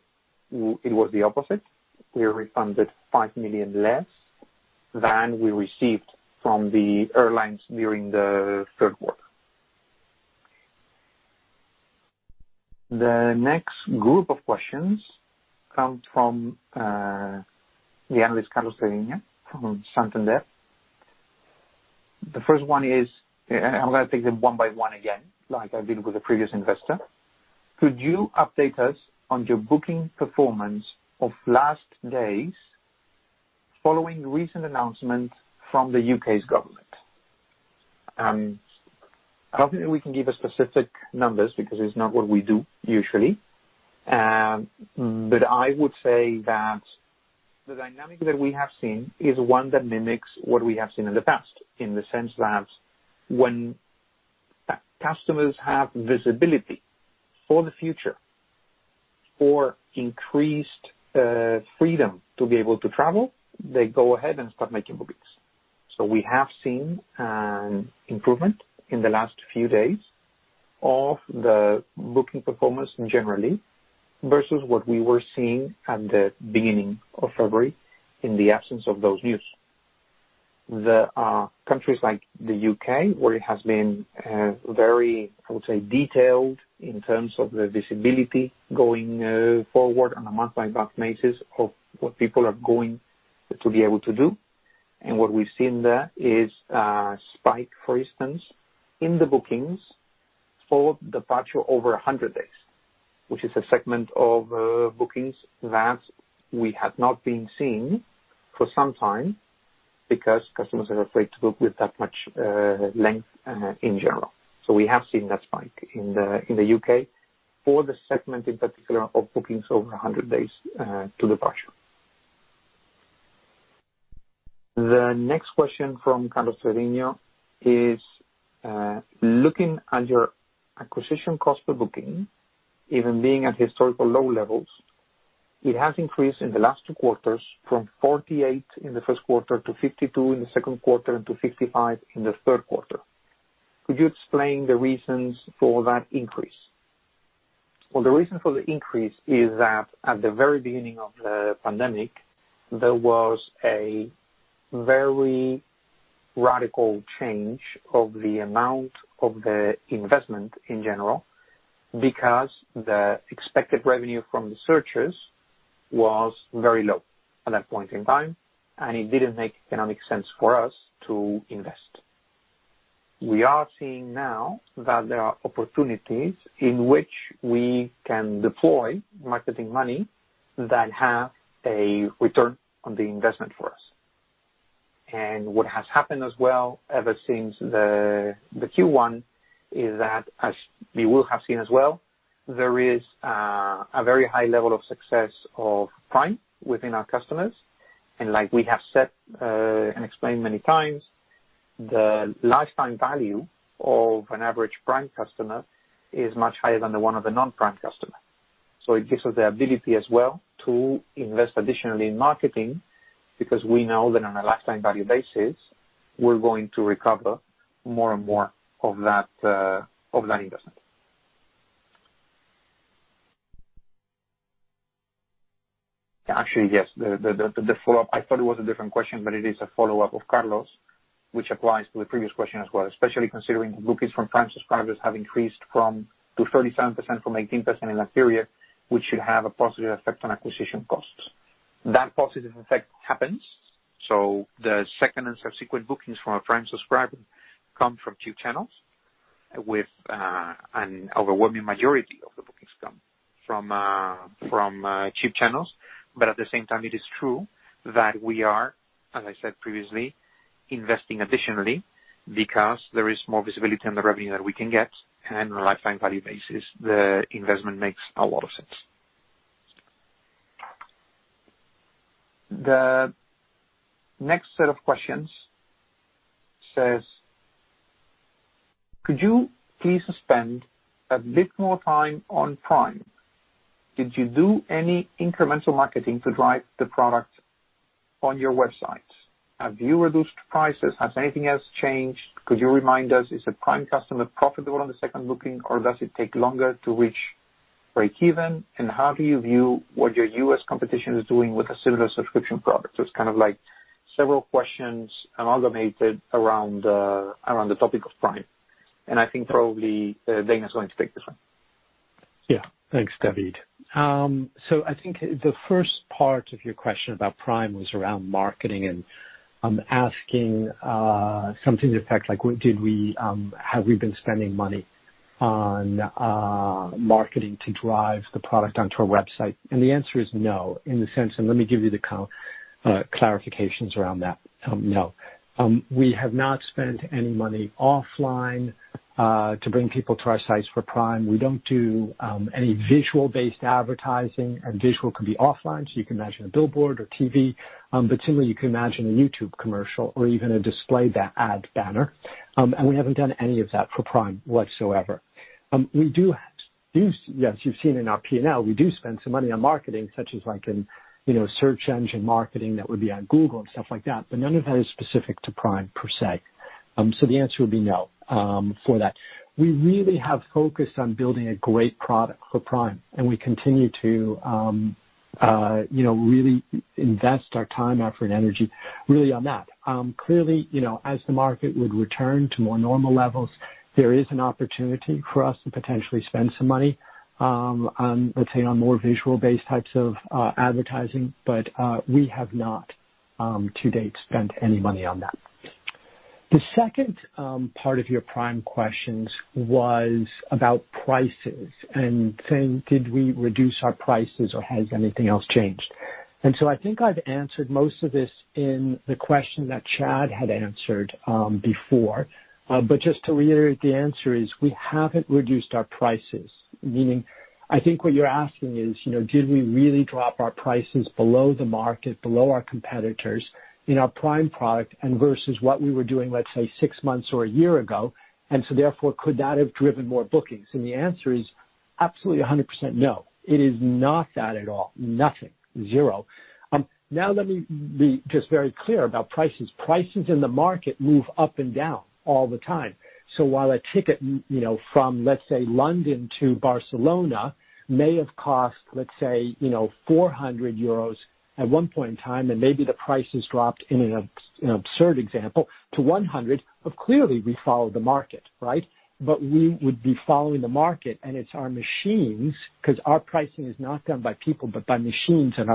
it was the opposite. We refunded 5 million less than we received from the airlines during the third quarter. The next group of questions comes from the analyst, Carlos Treviño from Santander. The first one is I'm going to take them one by one again, like I did with the previous investor. Could you update us on your booking performance of last days following recent announcement from the U.K.'s government? I don't think we can give a specific numbers because it's not what we do usually. I would say that the dynamic that we have seen is one that mimics what we have seen in the past, in the sense that when customers have visibility for the future or increased freedom to be able to travel, they go ahead and start making bookings. We have seen an improvement in the last few days of the booking performance generally versus what we were seeing at the beginning of February in the absence of those news. There are countries like the U.K., where it has been very, I would say, detailed in terms of the visibility going forward on a month-by-month basis of what people are going to be able to do. What we've seen there is a spike, for instance, in the bookings for departure over 100 days, which is a segment of bookings that we had not been seeing for some time because customers are afraid to book with that much length in general. We have seen that spike in the U.K. for the segment in particular of bookings over 100 days to departure. The next question from Carlos Treviño is, "Looking at your acquisition cost per booking, even being at historical low levels, it has increased in the last two quarters from 48 in the first quarter to 52 in the second quarter and to 55 in the third quarter. Could you explain the reasons for that increase?" The reason for the increase is that at the very beginning of the pandemic, there was a very radical change of the amount of the investment in general, because the expected revenue from the searchers was very low at that point in time, and it didn't make economic sense for us to invest. We are seeing now that there are opportunities in which we can deploy marketing money that have a return on the investment for us. What has happened as well, ever since the Q1, is that, as you will have seen as well, there is a very high level of success of Prime within our customers. Like we have said and explained many times, the lifetime value of an average Prime customer is much higher than the one of a non-Prime customer. It gives us the ability as well to invest additionally in marketing, because we know that on a lifetime value basis, we're going to recover more and more of that investment. Actually, yes. The follow-up, I thought it was a different question, but it is a follow-up of Carlos, which applies to the previous question as well, especially considering bookings from Prime subscribers have increased to 37% from 18% in that period, which should have a positive effect on acquisition costs. That positive effect happens. The second and subsequent bookings from a Prime subscriber come from cheap channels with an overwhelming majority of the bookings come from cheap channels. At the same time, it is true that we are, as I said previously, investing additionally because there is more visibility on the revenue that we can get, and on a lifetime value basis, the investment makes a lot of sense. The next set of questions says, "Could you please spend a bit more time on Prime? Did you do any incremental marketing to drive the product on your website? Have you reduced prices? Has anything else changed? Could you remind us, is a Prime customer profitable on the second booking, or does it take longer to reach breakeven? How do you view what your U.S. competition is doing with a similar subscription product?" It's kind of like several questions amalgamated around the topic of Prime, and I think probably Dana is going to take this one. Thanks, David. I think the first part of your question about Prime was around marketing and asking something to effect like, have we been spending money on marketing to drive the product onto our website. The answer is no. Let me give you the clarifications around that no. We have not spent any money offline to bring people to our sites for Prime. We don't do any visual-based advertising. Visual can be offline, so you can imagine a billboard or TV, but similarly, you can imagine a YouTube commercial or even a display ad banner. We haven't done any of that for Prime whatsoever. As you've seen in our P&L, we do spend some money on marketing, such as in search engine marketing, that would be on Google and stuff like that, but none of that is specific to Prime, per se. The answer would be no for that. We really have focused on building a great product for Prime, and we continue to really invest our time, effort, and energy really on that. Clearly, as the market would return to more normal levels, there is an opportunity for us to potentially spend some money, let's say, on more visual-based types of advertising. We have not to date spent any money on that. The second part of your Prime questions was about prices and saying, did we reduce our prices or has anything else changed? I think I've answered most of this in the question that Chadd had answered before. Just to reiterate, the answer is we haven't reduced our prices. Meaning, I think what you're asking is, did we really drop our prices below the market, below our competitors in our Prime product and versus what we were doing, let's say, six months or a year ago, and so therefore, could that have driven more bookings? The answer is absolutely, 100% no. It is not that at all. Nothing. Zero. Now, let me be just very clear about prices. Prices in the market move up and down all the time. While a ticket from, let's say, London to Barcelona may have cost, let's say, 400 euros at one point in time, and maybe the prices dropped, in an absurd example, to 100, clearly we follow the market, right? We would be following the market, and it's our machines, because our pricing is not done by people, but by machines and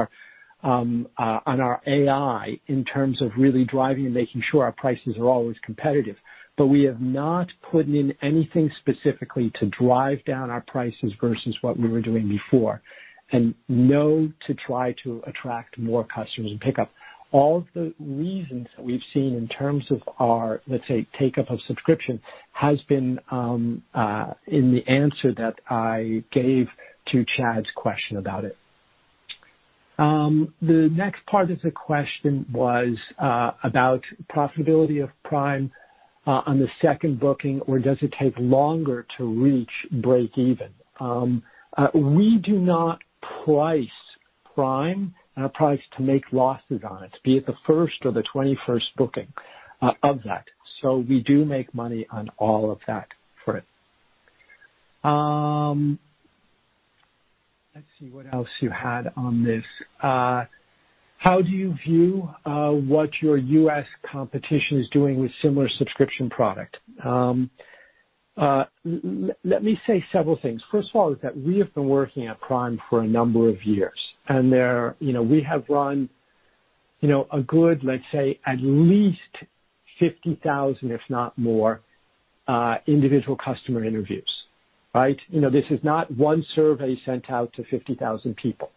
our AI in terms of really driving and making sure our prices are always competitive. We have not put in anything specifically to drive down our prices versus what we were doing before and know to try to attract more customers and pick up. All of the reasons that we've seen in terms of our, let's say, take-up of subscription has been in the answer that I gave to Chadd's question about it. The next part of the question was about profitability of Prime on the second booking or does it take longer to reach breakeven. We do not price Prime at a price to make losses on it, be it the first or the 21st booking of that. We do make money on all of that for it. Let's see what else you had on this. How do you view what your U.S. competition is doing with similar subscription product? Let me say several things. First of all, is that we have been working at Prime for a number of years, and we have run a good, let's say, at least 50,000, if not more, individual customer interviews. This is not one survey sent out to 50,000 people.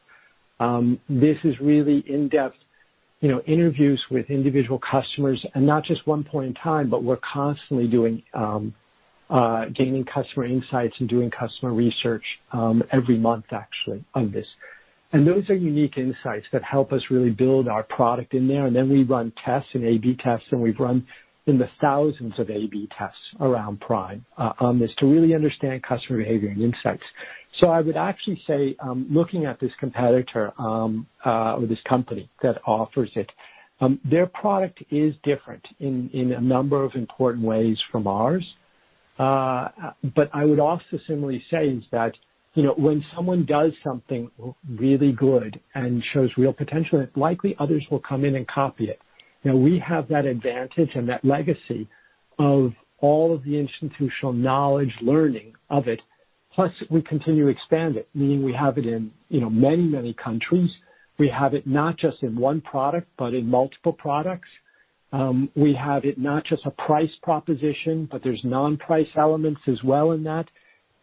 This is really in-depth interviews with individual customers, and not just one point in time, but we're constantly gaining customer insights and doing customer research every month actually on this. Those are unique insights that help us really build our product in there. We run tests and A/B tests, and we've run in the thousands of A/B tests around Prime, is to really understand customer behavior and insights. I would actually say, looking at this competitor, or this company that offers it, their product is different in a number of important ways from ours. I would also similarly say is that, when someone does something really good and shows real potential, likely others will come in and copy it. We have that advantage and that legacy of all of the institutional knowledge learning of it, plus we continue to expand it, meaning we have it in many, many countries. We have it not just in one product, but in multiple products. We have it not just a price proposition, but there's non-price elements as well in that.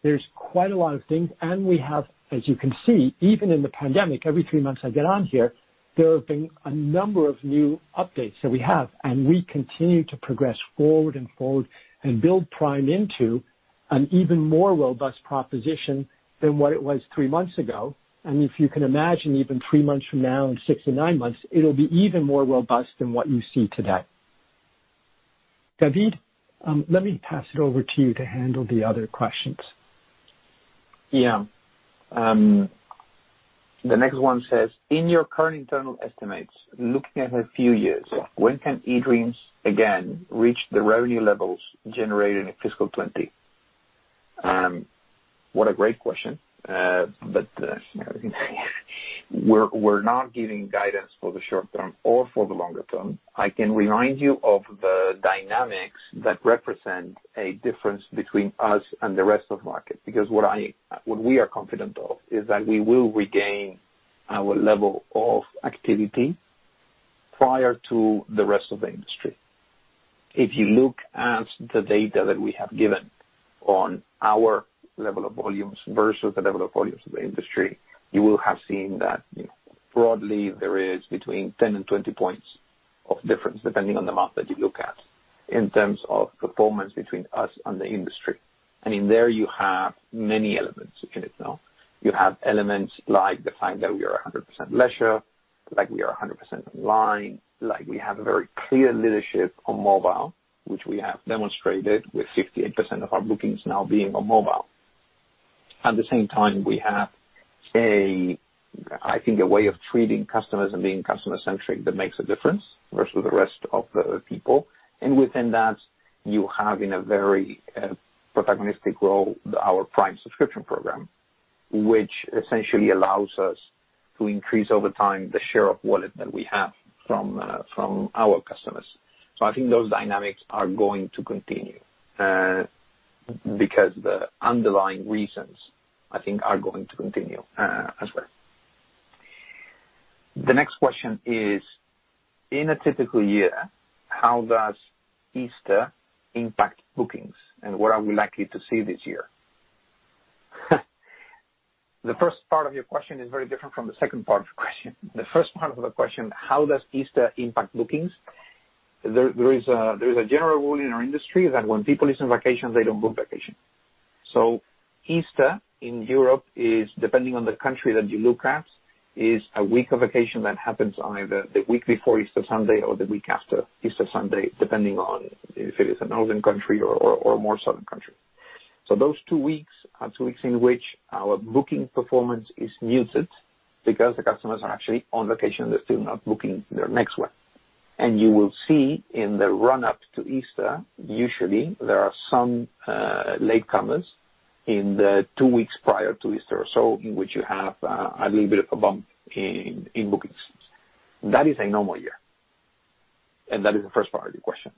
There's quite a lot of things, and we have, as you can see, even in the pandemic, every three months I get on here, there have been a number of new updates that we have, and we continue to progress forward and forward and build Prime into an even more robust proposition than what it was three months ago. If you can imagine, even three months from now, in six or nine months, it'll be even more robust than what you see today. David, let me pass it over to you to handle the other questions. Yeah. The next one says, "In your current internal estimates, looking at a few years, when can eDreams again reach the revenue levels generated in fiscal 2020?" What a great question. We're not giving guidance for the short term or for the longer term. I can remind you of the dynamics that represent a difference between us and the rest of market, because what we are confident of, is that we will regain our level of activity prior to the rest of the industry. If you look at the data that we have given on our level of volumes versus the level of volumes of the industry, you will have seen that broadly, there is between 10 points and 20 points of difference, depending on the month that you look at, in terms of performance between us and the industry. In there you have many elements in it now. You have elements like the fact that we are 100% leisure, like we are 100% online, like we have a very clear leadership on mobile, which we have demonstrated with 58% of our bookings now being on mobile. At the same time, we have, I think, a way of treating customers and being customer-centric that makes a difference versus the rest of the people. Within that, you have in a very protagonistic role, our Prime subscription program, which essentially allows us to increase over time the share of wallet that we have from our customers. I think those dynamics are going to continue, because the underlying reasons, I think, are going to continue as well. The next question is, "In a typical year, how does Easter impact bookings, and what are we likely to see this year?" The first part of your question is very different from the second part of your question. The first part of the question, how does Easter impact bookings? There is a general rule in our industry that when people is on vacation, they don't book vacation. Easter in Europe is, depending on the country that you look at, is a week of vacation that happens either the week before Easter Sunday or the week after Easter Sunday, depending on if it is a northern country or more southern country. Those two weeks are two weeks in which our booking performance is muted because the customers are actually on vacation. They're still not booking their next one. You will see in the run-up to Easter, usually there are some latecomers in the two weeks prior to Easter or so, in which you have a little bit of a bump in bookings. That is a normal year, and that is the first part of your question.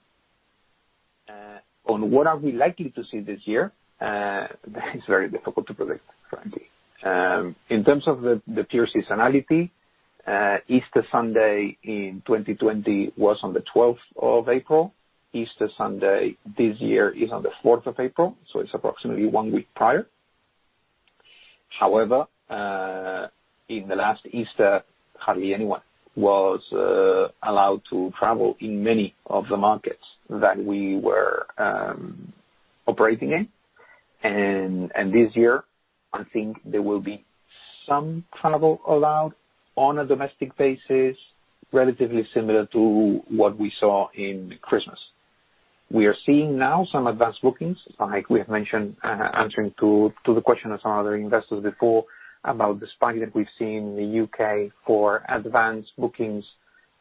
On what are we likely to see this year? That is very difficult to predict, frankly. In terms of the pure seasonality, Easter Sunday in 2020 was on the 12th of April. Easter Sunday this year is on the 4th of April, so it's approximately one week prior. However, in the last Easter, hardly anyone was allowed to travel in many of the markets that we were operating in. This year, I think there will be some travel allowed on a domestic basis, relatively similar to what we saw in Christmas. We are seeing now some advanced bookings, like we have mentioned, answering to the question of some other investors before about the spike that we've seen in the U.K. for advanced bookings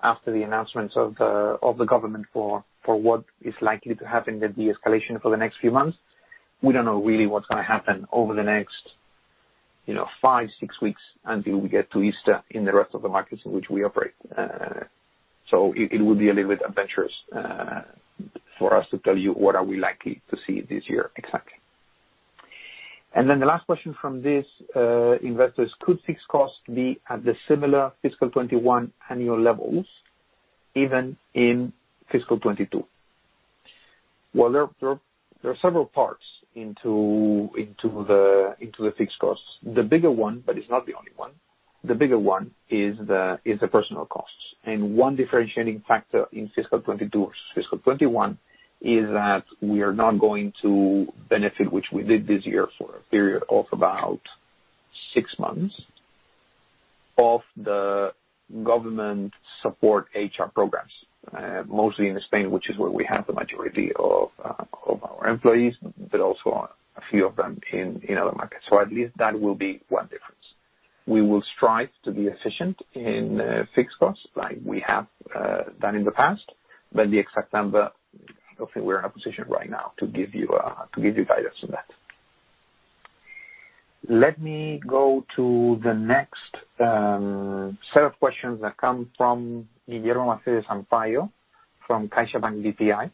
after the announcements of the government for what is likely to happen with the de-escalation for the next few months. We don't know really what's going to happen over the next five weeks, six weeks until we get to Easter in the rest of the markets in which we operate. It would be a little bit adventurous for us to tell you what are we likely to see this year exactly. The last question from this investor is, "Could fixed costs be at the similar fiscal 2021 annual levels, even in fiscal 2022?" Well, there are several parts into the fixed costs. The bigger one, but it's not the only one. The bigger one is the personal costs. One differentiating factor in fiscal 2022 versus fiscal 2021 is that we are not going to benefit, which we did this year for a period of about six months, of the government support HR programs, mostly in Spain, which is where we have the majority of our employees, but also a few of them in other markets. At least that will be one difference. We will strive to be efficient in fixed costs like we have done in the past, but the exact number, I don't think we're in a position right now to give you guidance on that. Let me go to the next set of questions that come from Guilherme Macedo Sampaio from CaixaBank BPI.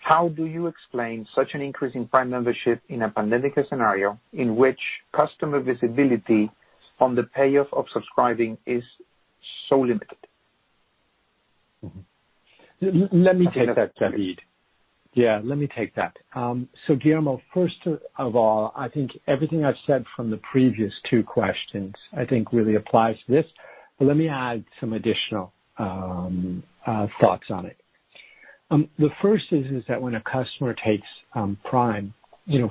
How do you explain such an increase in Prime membership in a pandemic scenario in which customer visibility on the payoff of subscribing is so limited? Let me take that, David. Yeah, let me take that. Guilherme, first of all, I think everything I've said from the previous two questions, I think really applies to this. Let me add some additional thoughts on it. The first is that when a customer takes Prime,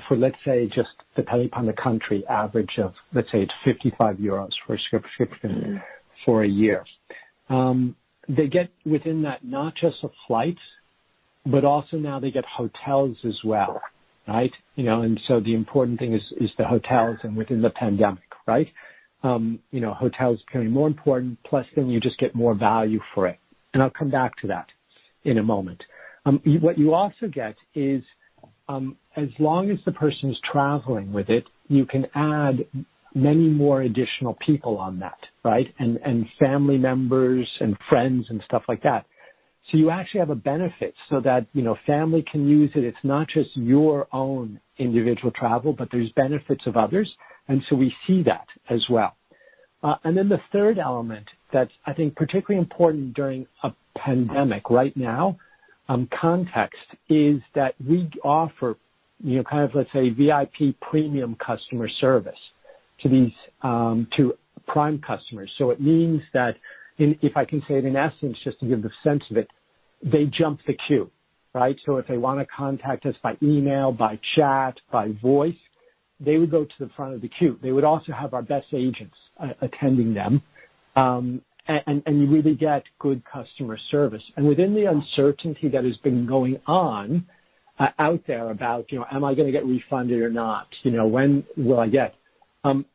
for, let's say, just depending upon the country average of, let's say it's 55 euros for a subscription for a year. They get within that not just a flight, but also now they get hotels as well. Right? The important thing is the hotels, and within the pandemic, hotels becoming more important, plus then you just get more value for it. I'll come back to that in a moment. What you also get is, as long as the person's traveling with it, you can add many more additional people on that. Right? Family members and friends and stuff like that. You actually have a benefit so that family can use it. It's not just your own individual travel, but there's benefits of others, and so we see that as well. The third element that's, I think, particularly important during a pandemic right now, context, is that we offer kind of, let's say, VIP premium customer service to Prime customers. It means that, if I can say it in essence, just to give the sense of it, they jump the queue. If they want to contact us by email, by chat, by voice, they would go to the front of the queue. They would also have our best agents attending them. You really get good customer service. Within the uncertainty that has been going on out there about, am I going to get refunded or not?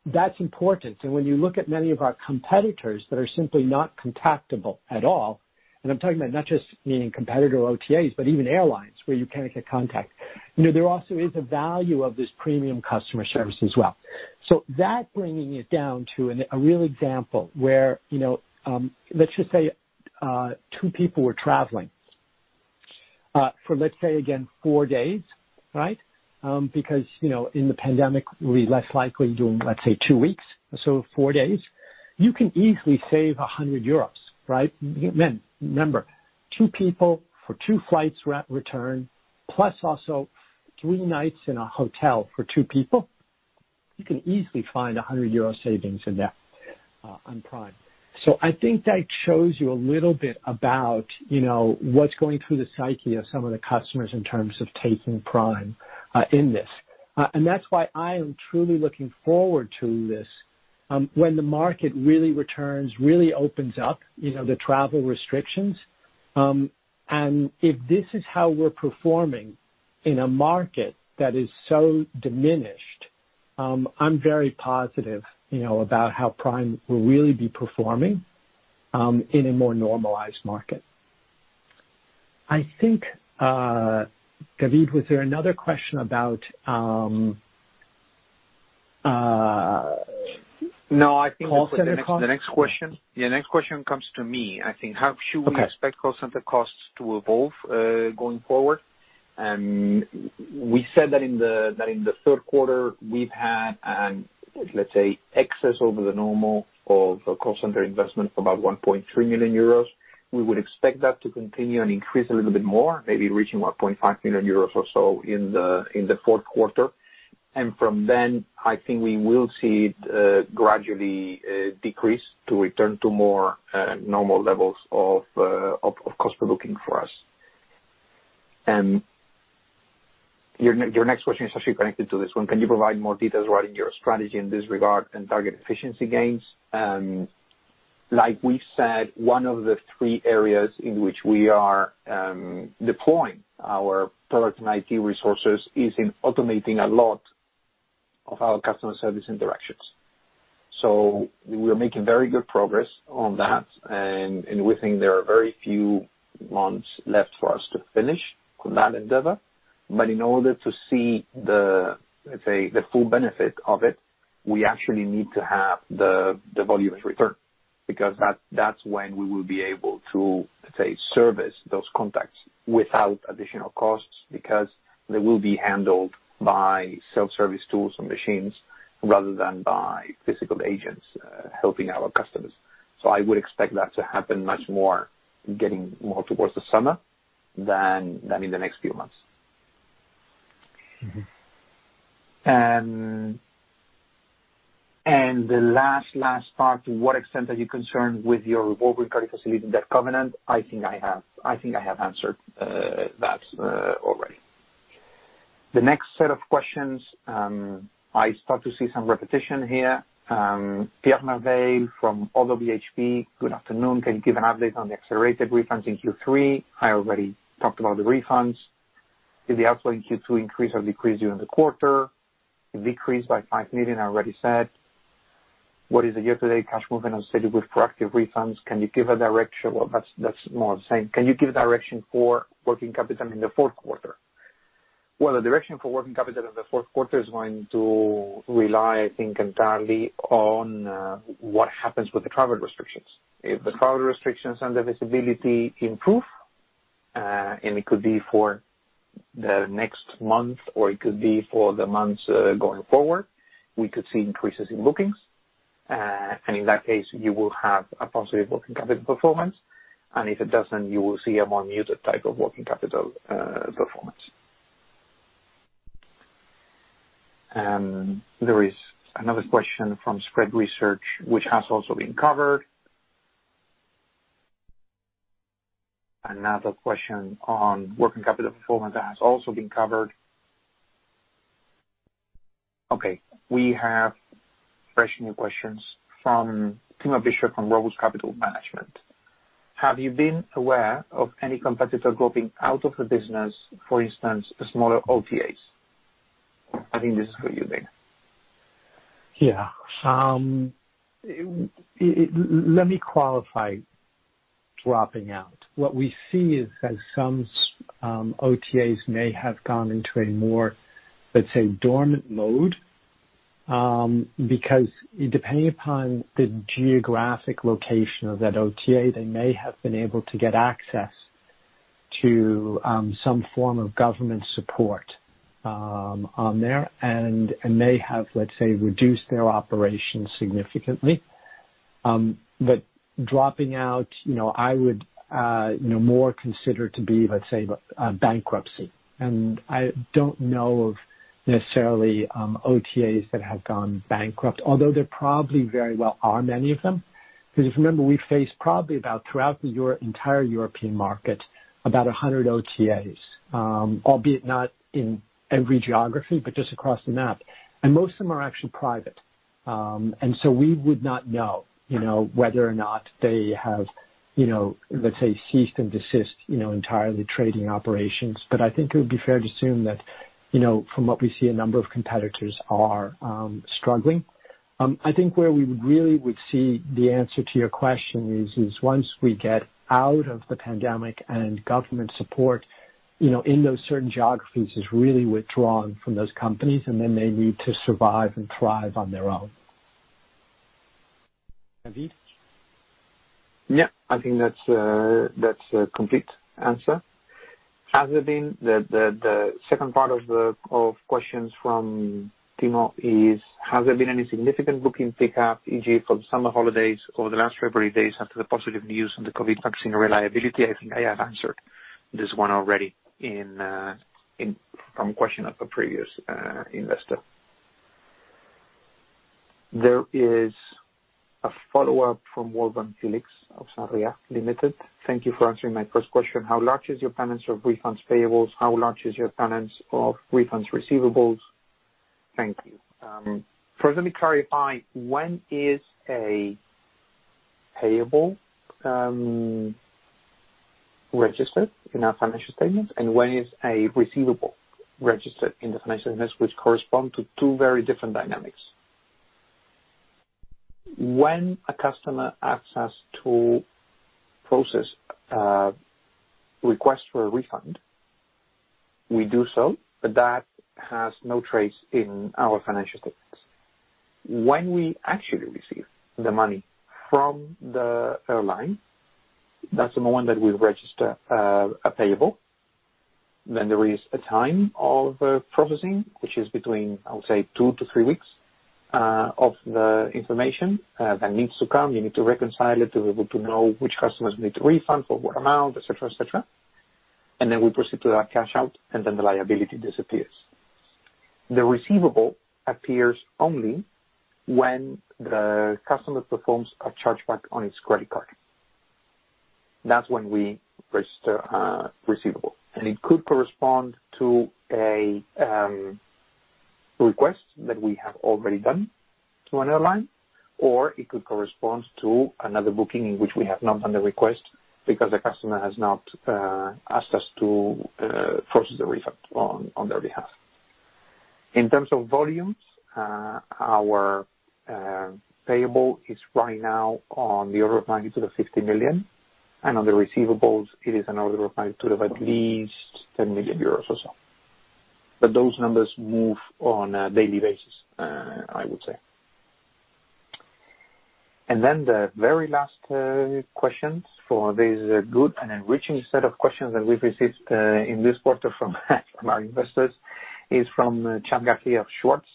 That's important. When you look at many of our competitors that are simply not contactable at all, and I'm talking about not just meaning competitor OTAs, but even airlines where you can't get contact. There also is a value of this premium customer service as well. That, bringing it down to a real example, where, let's just say two people were traveling, for, let's say again, four days. Because, in the pandemic, we're less likely doing, let's say, two weeks, so four days. You can easily save 100 euros. Remember, two people for two flights return, plus also three nights in a hotel for two people. You can easily find 100 euro savings in that on Prime. I think that shows you a little bit about what's going through the psyche of some of the customers in terms of taking Prime in this. That's why I am truly looking forward to this. When the market really returns, really opens up the travel restrictions, and if this is how we're performing in a market that is so diminished, I'm very positive about how Prime will really be performing in a more normalized market. I think, David, was there another question about call center costs? I think the next question comes to me. I think, how should we expect call center costs to evolve going forward? We said that in the third quarter, we've had, let's say, excess over the normal of call center investment, about 1.3 million euros. We would expect that to continue and increase a little bit more, maybe reaching 1.5 million euros or so in the fourth quarter. From then, I think we will see it gradually decrease to return to more normal levels of cost per booking for us. Your next question is actually connected to this one. Can you provide more details regarding your strategy in this regard and target efficiency gains? Like we said, one of the three areas in which we are deploying our product and IT resources is in automating a lot of our customer service interactions. We are making very good progress on that, and we think there are very few months left for us to finish on that endeavor. In order to see the, let's say, the full benefit of it, we actually need to have the volumes return, because that's when we will be able to, let's say, service those contacts without additional costs, because they will be handled by self-service tools and machines rather than by physical agents helping our customers. I would expect that to happen much more getting more towards the summer than in the next few months. The last part, to what extent are you concerned with your super senior revolving credit facility and debt covenant? I think I have answered that already. The next set of questions, I start to see some repetition here. Pierre Merveille from ODDO BHF, "Good afternoon. Can you give an update on the accelerated refunds in Q3?" I already talked about the refunds. Did the outflow in Q2 increase or decrease during the quarter? It decreased by 5 million, I already said. What is the year-to-date cash movement on schedule with proactive refunds? Can you give a direction? That's more of the same. Can you give direction for working capital in the fourth quarter? The direction for working capital in the fourth quarter is going to rely, I think, entirely on what happens with the travel restrictions. If the travel restrictions and the visibility improve, and it could be for the next month or it could be for the months going forward, we could see increases in bookings. In that case, you will have a positive working capital performance. If it doesn't, you will see a more muted type of working capital performance. There is another question from Spread Research which has also been covered. Another question on working capital performance that has also been covered. Okay, we have fresh new questions from Thiemo Bischoff from Robus Capital Management. Have you been aware of any competitor dropping out of the business, for instance, smaller OTAs? I think this is for you, Dana. Yeah. Let me qualify dropping out. What we see is that some OTAs may have gone into a more, let's say, dormant mode, because depending upon the geographic location of that OTA, they may have been able to get access to some form of government support on there and may have, let's say, reduced their operations significantly. Dropping out, I would more consider to be, let's say, a bankruptcy. I don't know of necessarily OTAs that have gone bankrupt, although there probably very well are many of them. If you remember, we face probably about throughout the entire European market, about 100 OTAs, albeit not in every geography, but just across the map. Most of them are actually private. So we would not know whether or not they have, let's say, ceased and desist entirely trading operations. I think it would be fair to assume that from what we see, a number of competitors are struggling. I think where we would really would see the answer to your question is, once we get out of the pandemic and government support in those certain geographies is really withdrawn from those companies, and then they need to survive and thrive on their own. David? Yeah. I think that's a complete answer. The second part of questions from Thiemo is, "Has there been any significant booking pickup, e.g., for the summer holidays over the last February days after the positive news on the COVID vaccine reliability?" I think I have answered this one already from question of a previous investor. There is a follow-up from Wolfgang Felix of Sarria Limited. Thank you for answering my first question. How large is your balance of refunds payables? How large is your balance of refunds receivables? Thank you. First, let me clarify, when is a payable registered in our financial statements, and when is a receivable registered in the financial statements, which correspond to two very different dynamics. When a customer asks us to process a request for a refund, we do so, but that has no trace in our financial statements. When we actually receive the money from the airline, that's the moment that we register a payable. There is a time of processing, which is between, I would say, two to three weeks, of the information that needs to come. You need to reconcile it to be able to know which customers need a refund, for what amount, et cetera. Then we proceed to that cash out, and then the liability disappears. The receivable appears only when the customer performs a chargeback on his credit card. That's when we register a receivable. It could correspond to a request that we have already done to an airline, or it could correspond to another booking in which we have not done the request because the customer has not asked us to force the refund on their behalf. In terms of volumes, our payable is right now on the order of magnitude of 50 million, and on the receivables, it is an order of magnitude of at least 10 million euros or so. Those numbers move on a daily basis, I would say. The very last questions for this good and enriching set of questions that we've received in this quarter from our investors is from Chadd Garcia of Schwartz.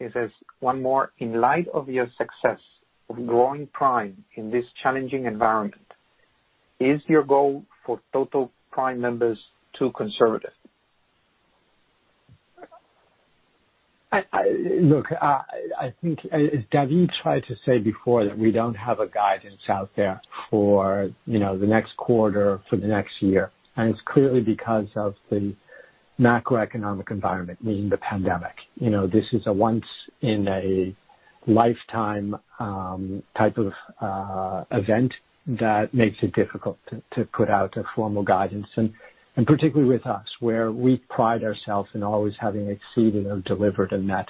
He says, "One more. In light of your success of growing Prime in this challenging environment, is your goal for total Prime members too conservative?" I think, as David tried to say before, that we don't have a guidance out there for the next quarter, for the next year, and it's clearly because of the macroeconomic environment, meaning the pandemic. This is a once in a lifetime type of event that makes it difficult to put out a formal guidance, and particularly with us, where we pride ourselves in always having exceeded or delivered on that,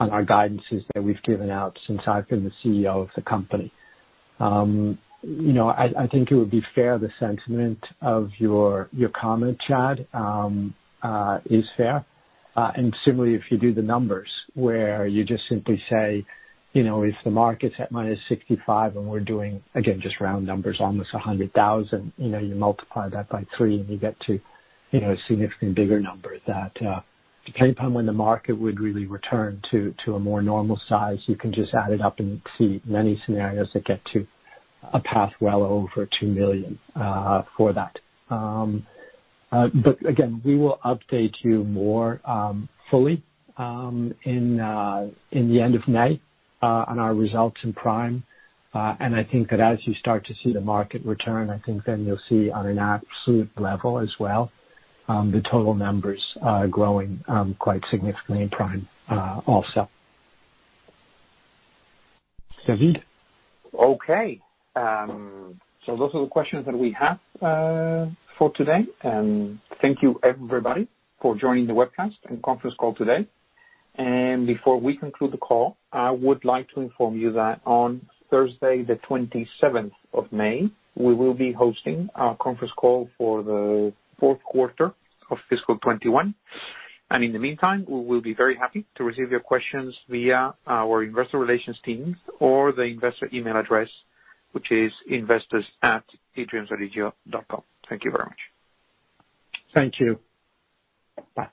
on our guidances that we've given out since I've been the CEO of the company. I think it would be fair, the sentiment of your comment, Chadd, is fair. Similarly, if you do the numbers, where you just simply say, if the market's at -65 and we're doing, again, just round numbers, almost 100,000, you multiply that by three and you get to a significantly bigger number that, depending upon when the market would really return to a more normal size, you can just add it up and see many scenarios that get to a path well over 2 million for that. Again, we will update you more fully in the end of May on our results in Prime. I think that as you start to see the market return, I think then you'll see on an absolute level as well, the total numbers growing quite significantly in Prime also. David? Okay. Those are the questions that we have for today. Thank you everybody for joining the webcast and conference call today. Before we conclude the call, I would like to inform you that on Thursday, the 27th of May, we will be hosting our conference call for the fourth quarter of fiscal 2021, and in the meantime, we will be very happy to receive your questions via our investor relations teams or the investor email address, which is investors@edreamsodigeo.com. Thank you very much. Thank you. Bye.